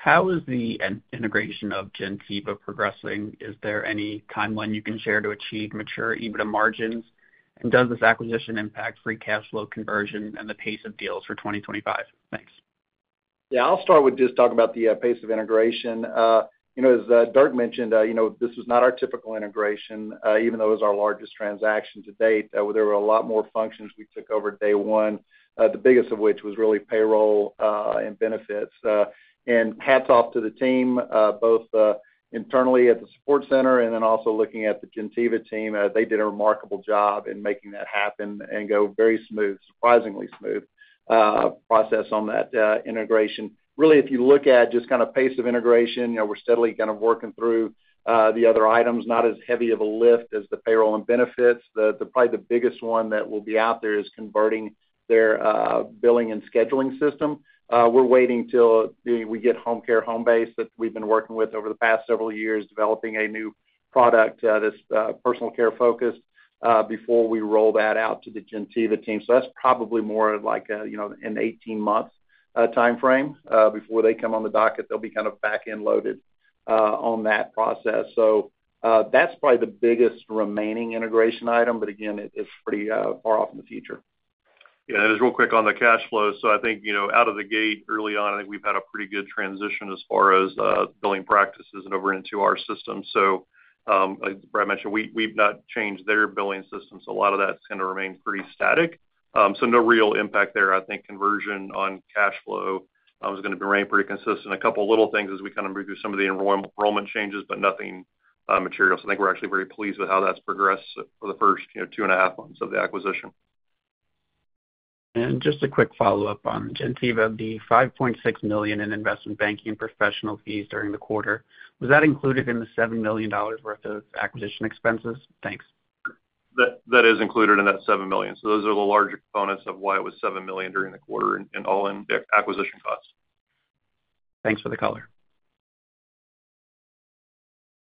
How is the integration of Gentiva progressing? Is there any timeline you can share to achieve mature EBITDA margins? And does this acquisition impact free cash flow conversion and the pace of deals for 2025? Thanks. Yeah. I'll start with just talking about the pace of integration. As Dirk mentioned, this was not our typical integration, even though it was our largest transaction to date. There were a lot more functions we took over day one, the biggest of which was really payroll and benefits. And hats off to the team, both internally at the support center and then also looking at the Gentiva team. They did a remarkable job in making that happen and go very smooth, surprisingly smooth process on that integration. Really, if you look at just kind of pace of integration, we're steadily kind of working through the other items, not as heavy of a lift as the payroll and benefits. Probably the biggest one that will be out there is converting their billing and scheduling system. We're waiting till we get Homecare Homebase that we've been working with over the past several years, developing a new product, this personal care focus, before we roll that out to the Gentiva team. So that's probably more like an 18-month timeframe. Before they come on the docket, they'll be kind of back-loaded on that process. So that's probably the biggest remaining integration item. But again, it's pretty far off in the future. Yeah. Just real quick on the cash flow. So I think out of the gate early on, I think we've had a pretty good transition as far as billing practices and over into our system. So like Brad mentioned, we've not changed their billing system. So a lot of that's going to remain pretty static. So no real impact there. I think conversion on cash flow is going to remain pretty consistent. A couple of little things as we kind of move through some of the enrollment changes, but nothing material. So I think we're actually very pleased with how that's progressed for the first two and a half months of the acquisition. And just a quick follow-up on Gentiva, the $5.6 million in investment banking professional fees during the quarter, was that included in the $7 million worth of acquisition expenses? Thanks. That is included in that $7 million. So those are the larger components of why it was $7 million during the quarter and all in acquisition costs. Thanks for the color.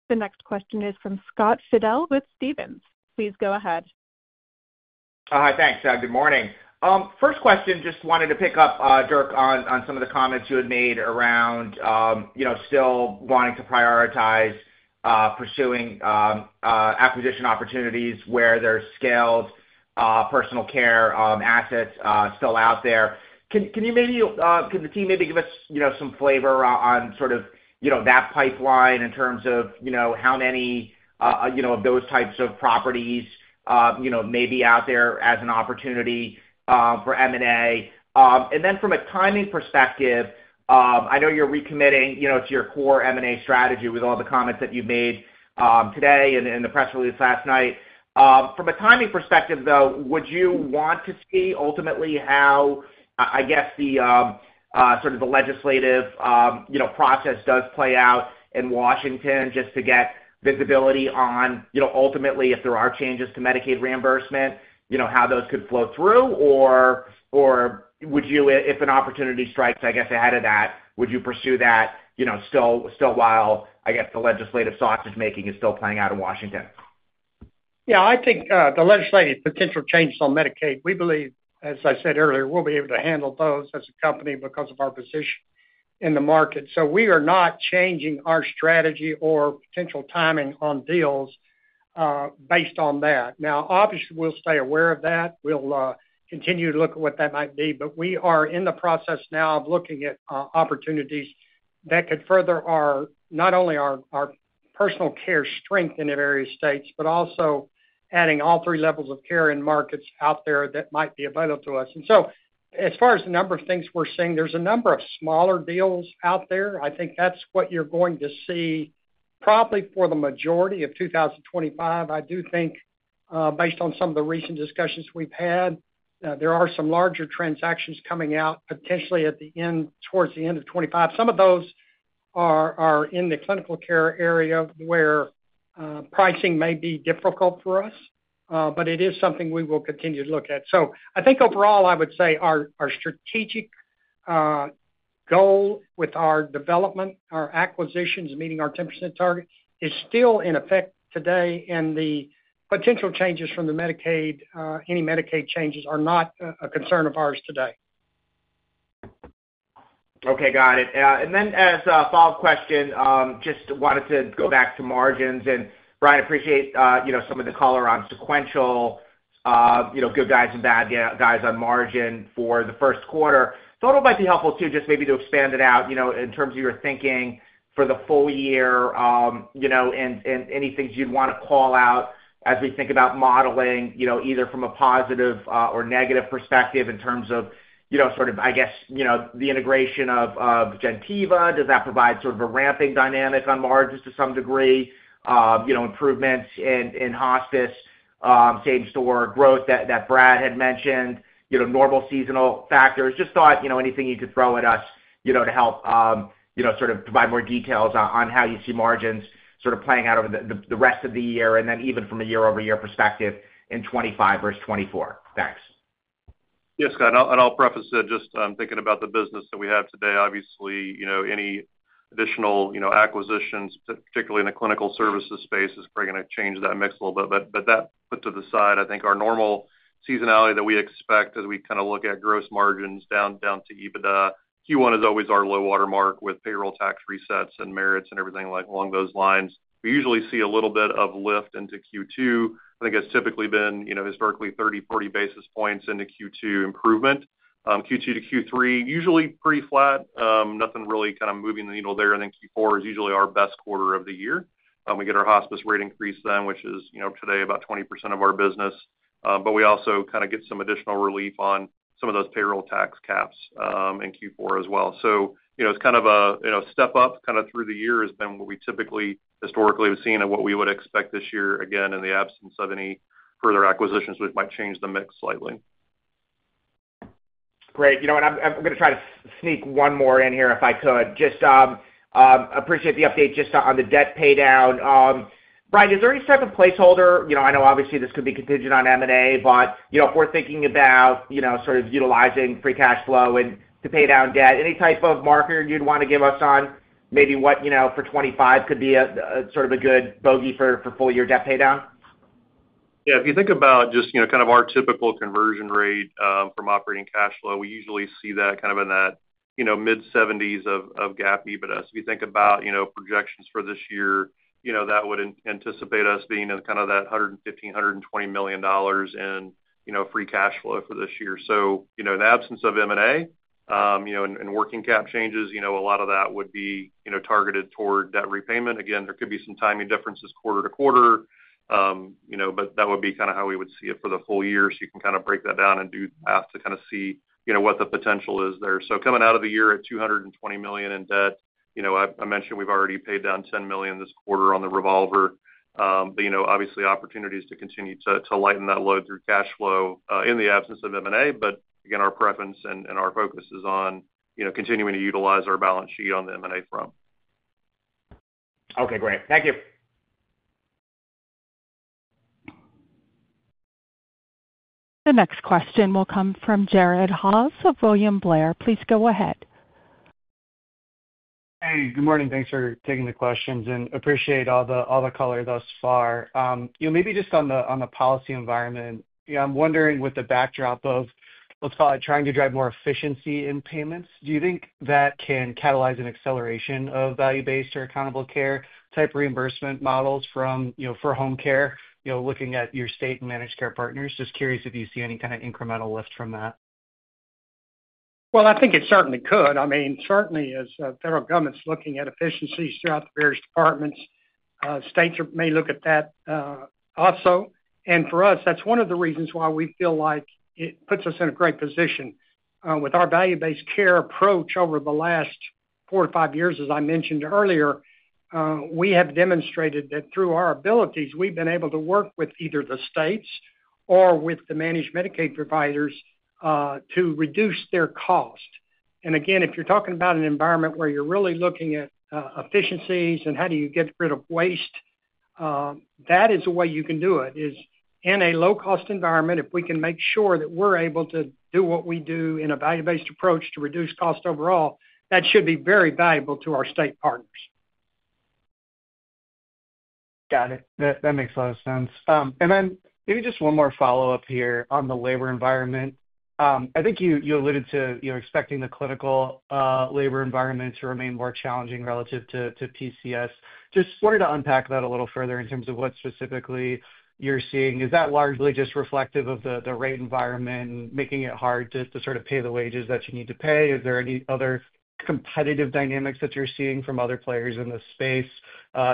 The next question is from Scott Fidel with Stephens. Please go ahead. Hi, thanks. Good morning. First question, just wanted to pick up, Dirk, on some of the comments you had made around still wanting to prioritize pursuing acquisition opportunities where there's scaled personal care assets still out there. Can the team maybe give us some flavor on sort of that pipeline in terms of how many of those types of properties may be out there as an opportunity for M&A? And then from a timing perspective, I know you're recommitting to your core M&A strategy with all the comments that you've made today and the press release last night. From a timing perspective, though, would you want to see ultimately how, I guess, the sort of the legislative process does play out in Washington just to get visibility on ultimately, if there are changes to Medicaid reimbursement, how those could flow through? Or would you, if an opportunity strikes, I guess, ahead of that, would you pursue that still while, I guess, the legislative sausage-making is still playing out in Washington? Yeah. I think the legislative potential changes on Medicaid, we believe, as I said earlier, we'll be able to handle those as a company because of our position in the market. So we are not changing our strategy or potential timing on deals based on that. Now, obviously, we'll stay aware of that. We'll continue to look at what that might be. But we are in the process now of looking at opportunities that could further not only our personal care strength in various states, but also adding all three levels of care and markets out there that might be available to us. And so as far as the number of things we're seeing, there's a number of smaller deals out there. I think that's what you're going to see probably for the majority of 2025. I do think, based on some of the recent discussions we've had, there are some larger transactions coming out potentially towards the end of 2025. Some of those are in the clinical care area where pricing may be difficult for us, but it is something we will continue to look at. So I think overall, I would say our strategic goal with our development, our acquisitions, meeting our 10% target, is still in effect today. The potential changes from the Medicaid, any Medicaid changes, are not a concern of ours today. Okay. Got it. Then as a follow-up question, just wanted to go back to margins. And Brian, I appreciate some of the color on sequential, good guys and bad guys on margin for the first quarter. Thought it might be helpful too just maybe to expand it out in terms of your thinking for the full year and any things you'd want to call out as we think about modeling either from a positive or negative perspective in terms of sort of, I guess, the integration of Gentiva. Does that provide sort of a ramping dynamic on margins to some degree? Improvements in hospice, same-store growth that Brad had mentioned, normal seasonal factors. Just thought anything you could throw at us to help sort of provide more details on how you see margins sort of playing out over the rest of the year and then even from a year-over-year perspective in 2025 versus 2024. Thanks. Yes, Scott, and I'll preface that just thinking about the business that we have today. Obviously, any additional acquisitions, particularly in the clinical services space, is probably going to change that mix a little bit. But that put to the side, I think our normal seasonality that we expect as we kind of look at gross margins down to EBITDA. Q1 is always our low-water mark with payroll tax resets and merits and everything along those lines. We usually see a little bit of lift into Q2. I think it's typically been historically 30, 40 basis points into Q2 improvement. Q2 to Q3, usually pretty flat, nothing really kind of moving the needle there. And then Q4 is usually our best quarter of the year. We get our hospice rate increase then, which is today about 20% of our business. But we also kind of get some additional relief on some of those payroll tax caps in Q4 as well. So it's kind of a step up kind of through the year has been what we typically historically have seen and what we would expect this year again in the absence of any further acquisitions which might change the mix slightly. Great. And I'm going to try to sneak one more in here if I could. Just appreciate the update just on the debt paydown. Brian, is there any type of placeholder? I know obviously this could be contingent on M&A, but if we're thinking about sort of utilizing free cash flow to pay down debt, any type of marker you'd want to give us on maybe what for 2025 could be sort of a good bogey for full-year debt paydown? Yeah. If you think about just kind of our typical conversion rate from operating cash flow, we usually see that kind of in that mid-70s of GAAP EBITDA. So if you think about projections for this year, that would anticipate us being in kind of that $115-$120 million in free cash flow for this year. So in the absence of M&A and working cap changes, a lot of that would be targeted toward that repayment. Again, there could be some timing differences quarter to quarter, but that would be kind of how we would see it for the full year. So you can kind of break that down and do the math to kind of see what the potential is there. So coming out of the year at $220 million in debt, I mentioned we've already paid down $10 million this quarter on the revolver. But obviously, opportunities to continue to lighten that load through cash flow in the absence of M&A. But again, our preference and our focus is on continuing to utilize our balance sheet on the M&A front. Okay. Great. Thank you. The next question will come from Jared Haase of William Blair. Please go ahead. Hey, good morning. Thanks for taking the questions. And appreciate all the color thus far. Maybe just on the policy environment, I'm wondering with the backdrop of, let's call it, trying to drive more efficiency in payments, do you think that can catalyze an acceleration of value-based or accountable care type reimbursement models for home care, looking at your state and managed care partners? Just curious if you see any kind of incremental lift from that. Well, I think it certainly could. I mean, certainly, as the federal government's looking at efficiencies throughout the various departments, states may look at that also. And for us, that's one of the reasons why we feel like it puts us in a great position. With our value-based care approach over the last four to five years, as I mentioned earlier, we have demonstrated that through our abilities, we've been able to work with either the states or with the managed Medicaid providers to reduce their cost. And again, if you're talking about an environment where you're really looking at efficiencies and how do you get rid of waste, that is a way you can do it. In a low-cost environment, if we can make sure that we're able to do what we do in a value-based approach to reduce cost overall, that should be very valuable to our state partners. Got it. That makes a lot of sense. And then maybe just one more follow-up here on the labor environment. I think you alluded to expecting the clinical labor environment to remain more challenging relative to PCS. Just wanted to unpack that a little further in terms of what specifically you're seeing. Is that largely just reflective of the rate environment and making it hard to sort of pay the wages that you need to pay? Is there any other competitive dynamics that you're seeing from other players in the space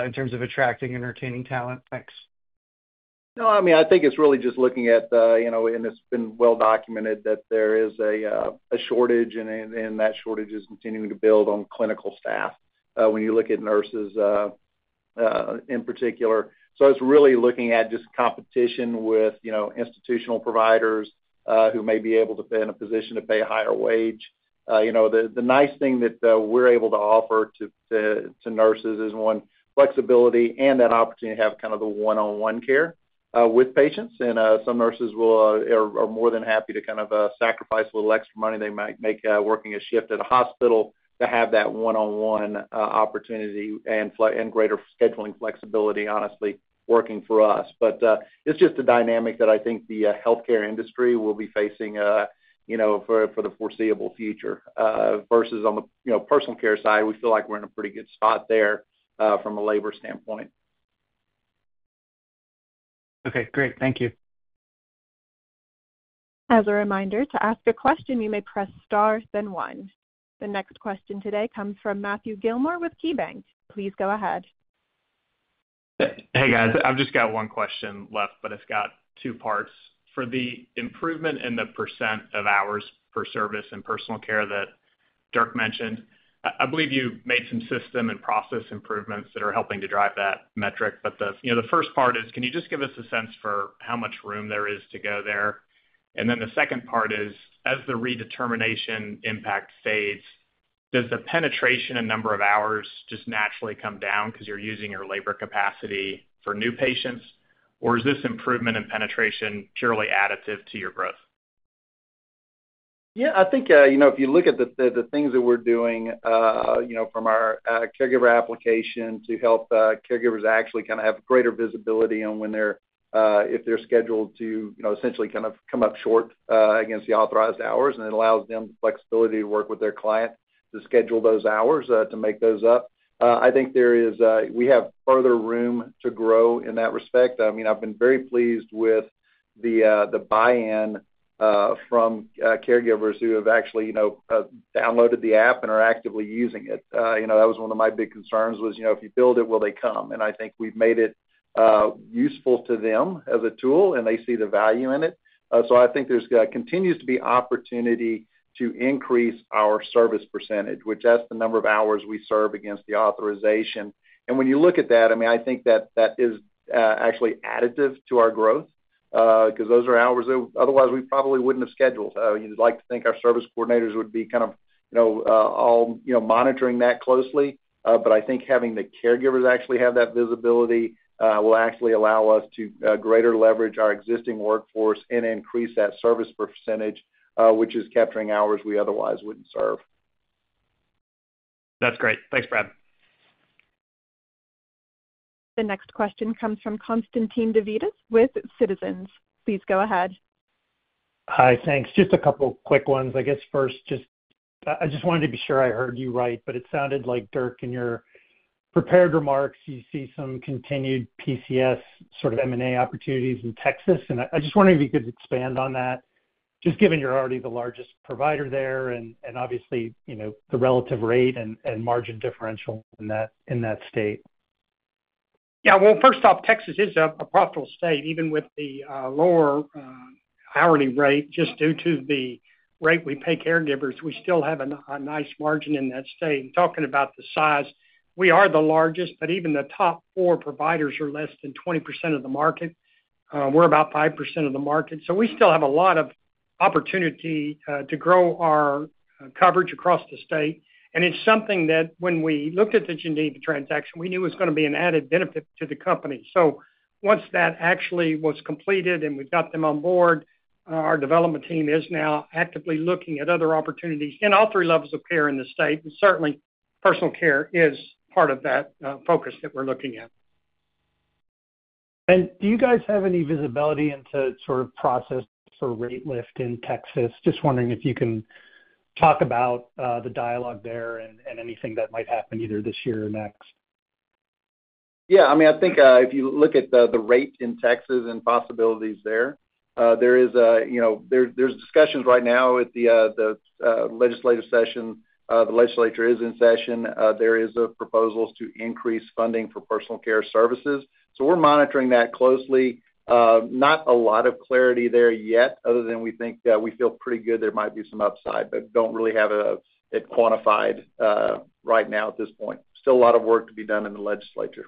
in terms of attracting and retaining talent? Thanks. No, I mean, I think it's really just looking at, and it's been well documented that there is a shortage, and that shortage is continuing to build on clinical staff when you look at nurses in particular. So it's really looking at just competition with institutional providers who may be able to be in a position to pay a higher wage. The nice thing that we're able to offer to nurses is one, flexibility and that opportunity to have kind of the one-on-one care with patients, and some nurses are more than happy to kind of sacrifice a little extra money they might make working a shift at a hospital to have that one-on-one opportunity and greater scheduling flexibility, honestly, working for us. But it's just a dynamic that I think the healthcare industry will be facing for the foreseeable future. Versus on the personal care side, we feel like we're in a pretty good spot there from a labor standpoint. Okay. Great. Thank you. As a reminder, to ask a question, you may press star, then one. The next question today comes from Matthew Gillmor with KeyBanc. Please go ahead. Hey, guys. I've just got one question left, but it's got two parts. For the improvement in the percent of hours per service in personal care that Dirk mentioned, I believe you made some system and process improvements that are helping to drive that metric. But the first part is, can you just give us a sense for how much room there is to go there? And then the second part is, as the redetermination impact fades, does the penetration and number of hours just naturally come down because you're using your labor capacity for new patients? Or is this improvement in penetration purely additive to your growth? Yeah. I think if you look at the things that we're doing from our caregiver application to help caregivers actually kind of have greater visibility on when they're scheduled to essentially kind of come up short against the authorized hours. And it allows them the flexibility to work with their client to schedule those hours to make those up. I think we have further room to grow in that respect. I mean, I've been very pleased with the buy-in from caregivers who have actually downloaded the app and are actively using it. That was one of my big concerns was, if you build it, will they come? And I think we've made it useful to them as a tool, and they see the value in it. So I think there continues to be opportunity to increase our service percentage, which that's the number of hours we serve against the authorization. And when you look at that, I mean, I think that that is actually additive to our growth because those are hours otherwise we probably wouldn't have scheduled. You'd like to think our service coordinators would be kind of all monitoring that closely. But I think having the caregivers actually have that visibility will actually allow us to greater leverage our existing workforce and increase that service percentage, which is capturing hours we otherwise wouldn't serve. That's great. Thanks, Brad. The next question comes from Constantine Davides with Citizens. Please go ahead. Hi. Thanks. Just a couple of quick ones. I guess first, I just wanted to be sure I heard you right, but it sounded like Dirk, in your prepared remarks, you see some continued PCS sort of M&A opportunities in Texas? And I just wondered if you could expand on that, just given you're already the largest provider there and obviously the relative rate and margin differential in that state. Yeah. Well, first off, Texas is a profitable state, even with the lower hourly rate. Just due to the rate we pay caregivers, we still have a nice margin in that state. And talking about the size, we are the largest, but even the top four providers are less than 20% of the market. We're about 5% of the market. So we still have a lot of opportunity to grow our coverage across the state. It's something that when we looked at the Gentiva transaction, we knew it was going to be an added benefit to the company. So once that actually was completed and we've got them on board, our development team is now actively looking at other opportunities in all three levels of care in the state. And certainly, personal care is part of that focus that we're looking at. Do you guys have any visibility into sort of process for rate lift in Texas? Just wondering if you can talk about the dialogue there and anything that might happen either this year or next. Yeah. I mean, I think if you look at the rate in Texas and possibilities there, there's discussions right now at the legislative session. The legislature is in session. There are proposals to increase funding for personal care services. So we're monitoring that closely. Not a lot of clarity there yet, other than we think we feel pretty good there might be some upside, but don't really have it quantified right now at this point. Still a lot of work to be done in the legislature.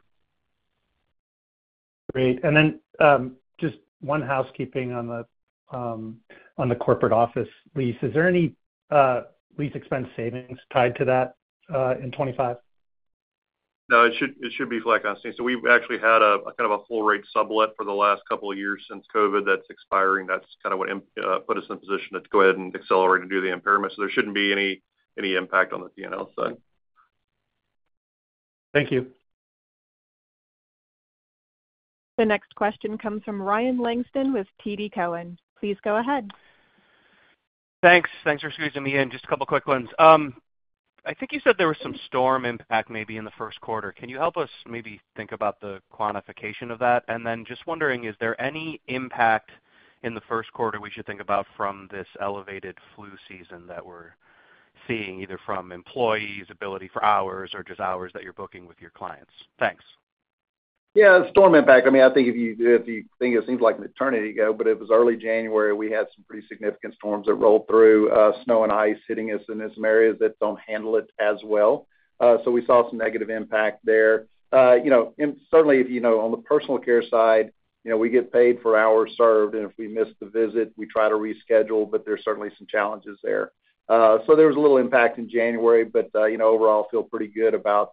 Great. And then just one housekeeping on the corporate office lease. Is there any lease expense savings tied to that in 2025? No, it should be flexible. So we've actually had kind of a full-rate sublet for the last couple of years since COVID that's expiring. That's kind of what put us in a position to go ahead and accelerate and do the impairment. So there shouldn't be any impact on the P&L side. Thank you. The next question comes from Ryan Langston with TD Cowen. Please go ahead. Thanks. Thanks for squeezing me in. Just a couple of quick ones. I think you said there was some storm impact maybe in the first quarter. Can you help us maybe think about the quantification of that? And then just wondering, is there any impact in the first quarter we should think about from this elevated flu season that we're seeing either from employees, ability for hours, or just hours that you're booking with your clients? Thanks. Yeah. Storm impact. I mean, I think if you think it seems like an eternity ago, but it was early January, we had some pretty significant storms that rolled through, snow and ice hitting us in some areas that don't handle it as well. So we saw some negative impact there. And certainly, on the personal care side, we get paid for hours served. And if we miss the visit, we try to reschedule, but there's certainly some challenges there. So there was a little impact in January, but overall, I feel pretty good about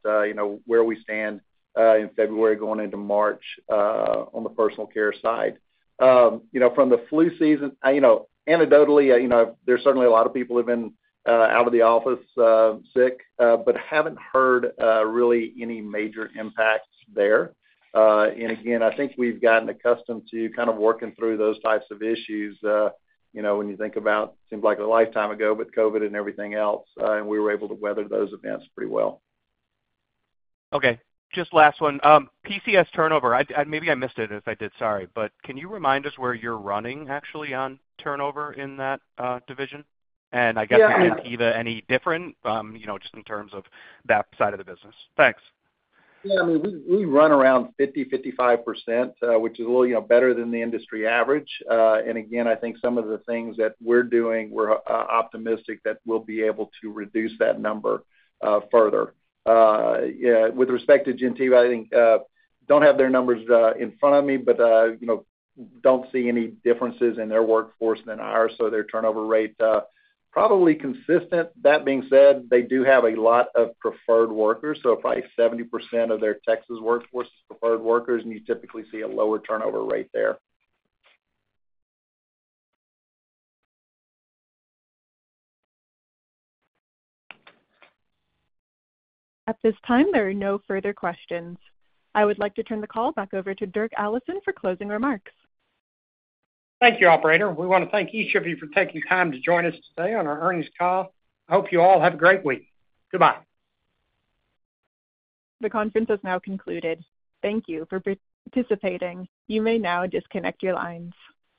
where we stand in February going into March on the personal care side. From the flu season, anecdotally, there's certainly a lot of people who have been out of the office sick, but haven't heard really any major impact there. And again, I think we've gotten accustomed to kind of working through those types of issues. When you think about it, seems like a lifetime ago, but COVID and everything else, and we were able to weather those events pretty well. Okay. Just last one. PCS turnover. Maybe I missed it if I did. Sorry. But can you remind us where you're running actually on turnover in that division? And I guess in Gentiva any different just in terms of that side of the business? Thanks. Yeah. I mean, we run around 50%-55%, which is a little better than the industry average. And again, I think some of the things that we're doing, we're optimistic that we'll be able to reduce that number further. With respect to Gentiva, I think I don't have their numbers in front of me, but I don't see any differences in their workforce than ours. So their turnover rate is probably consistent. That being said, they do have a lot of preferred workers. So probably 70% of their Texas workforce is preferred workers, and you typically see a lower turnover rate there. At this time, there are no further questions. I would like to turn the call back over to Dirk Allison for closing remarks. Thank you, operator. We want to thank each of you for taking time to join us today on our earnings call. I hope you all have a great week. Goodbye. The conference has now concluded. Thank you for participating. You may now disconnect your lines.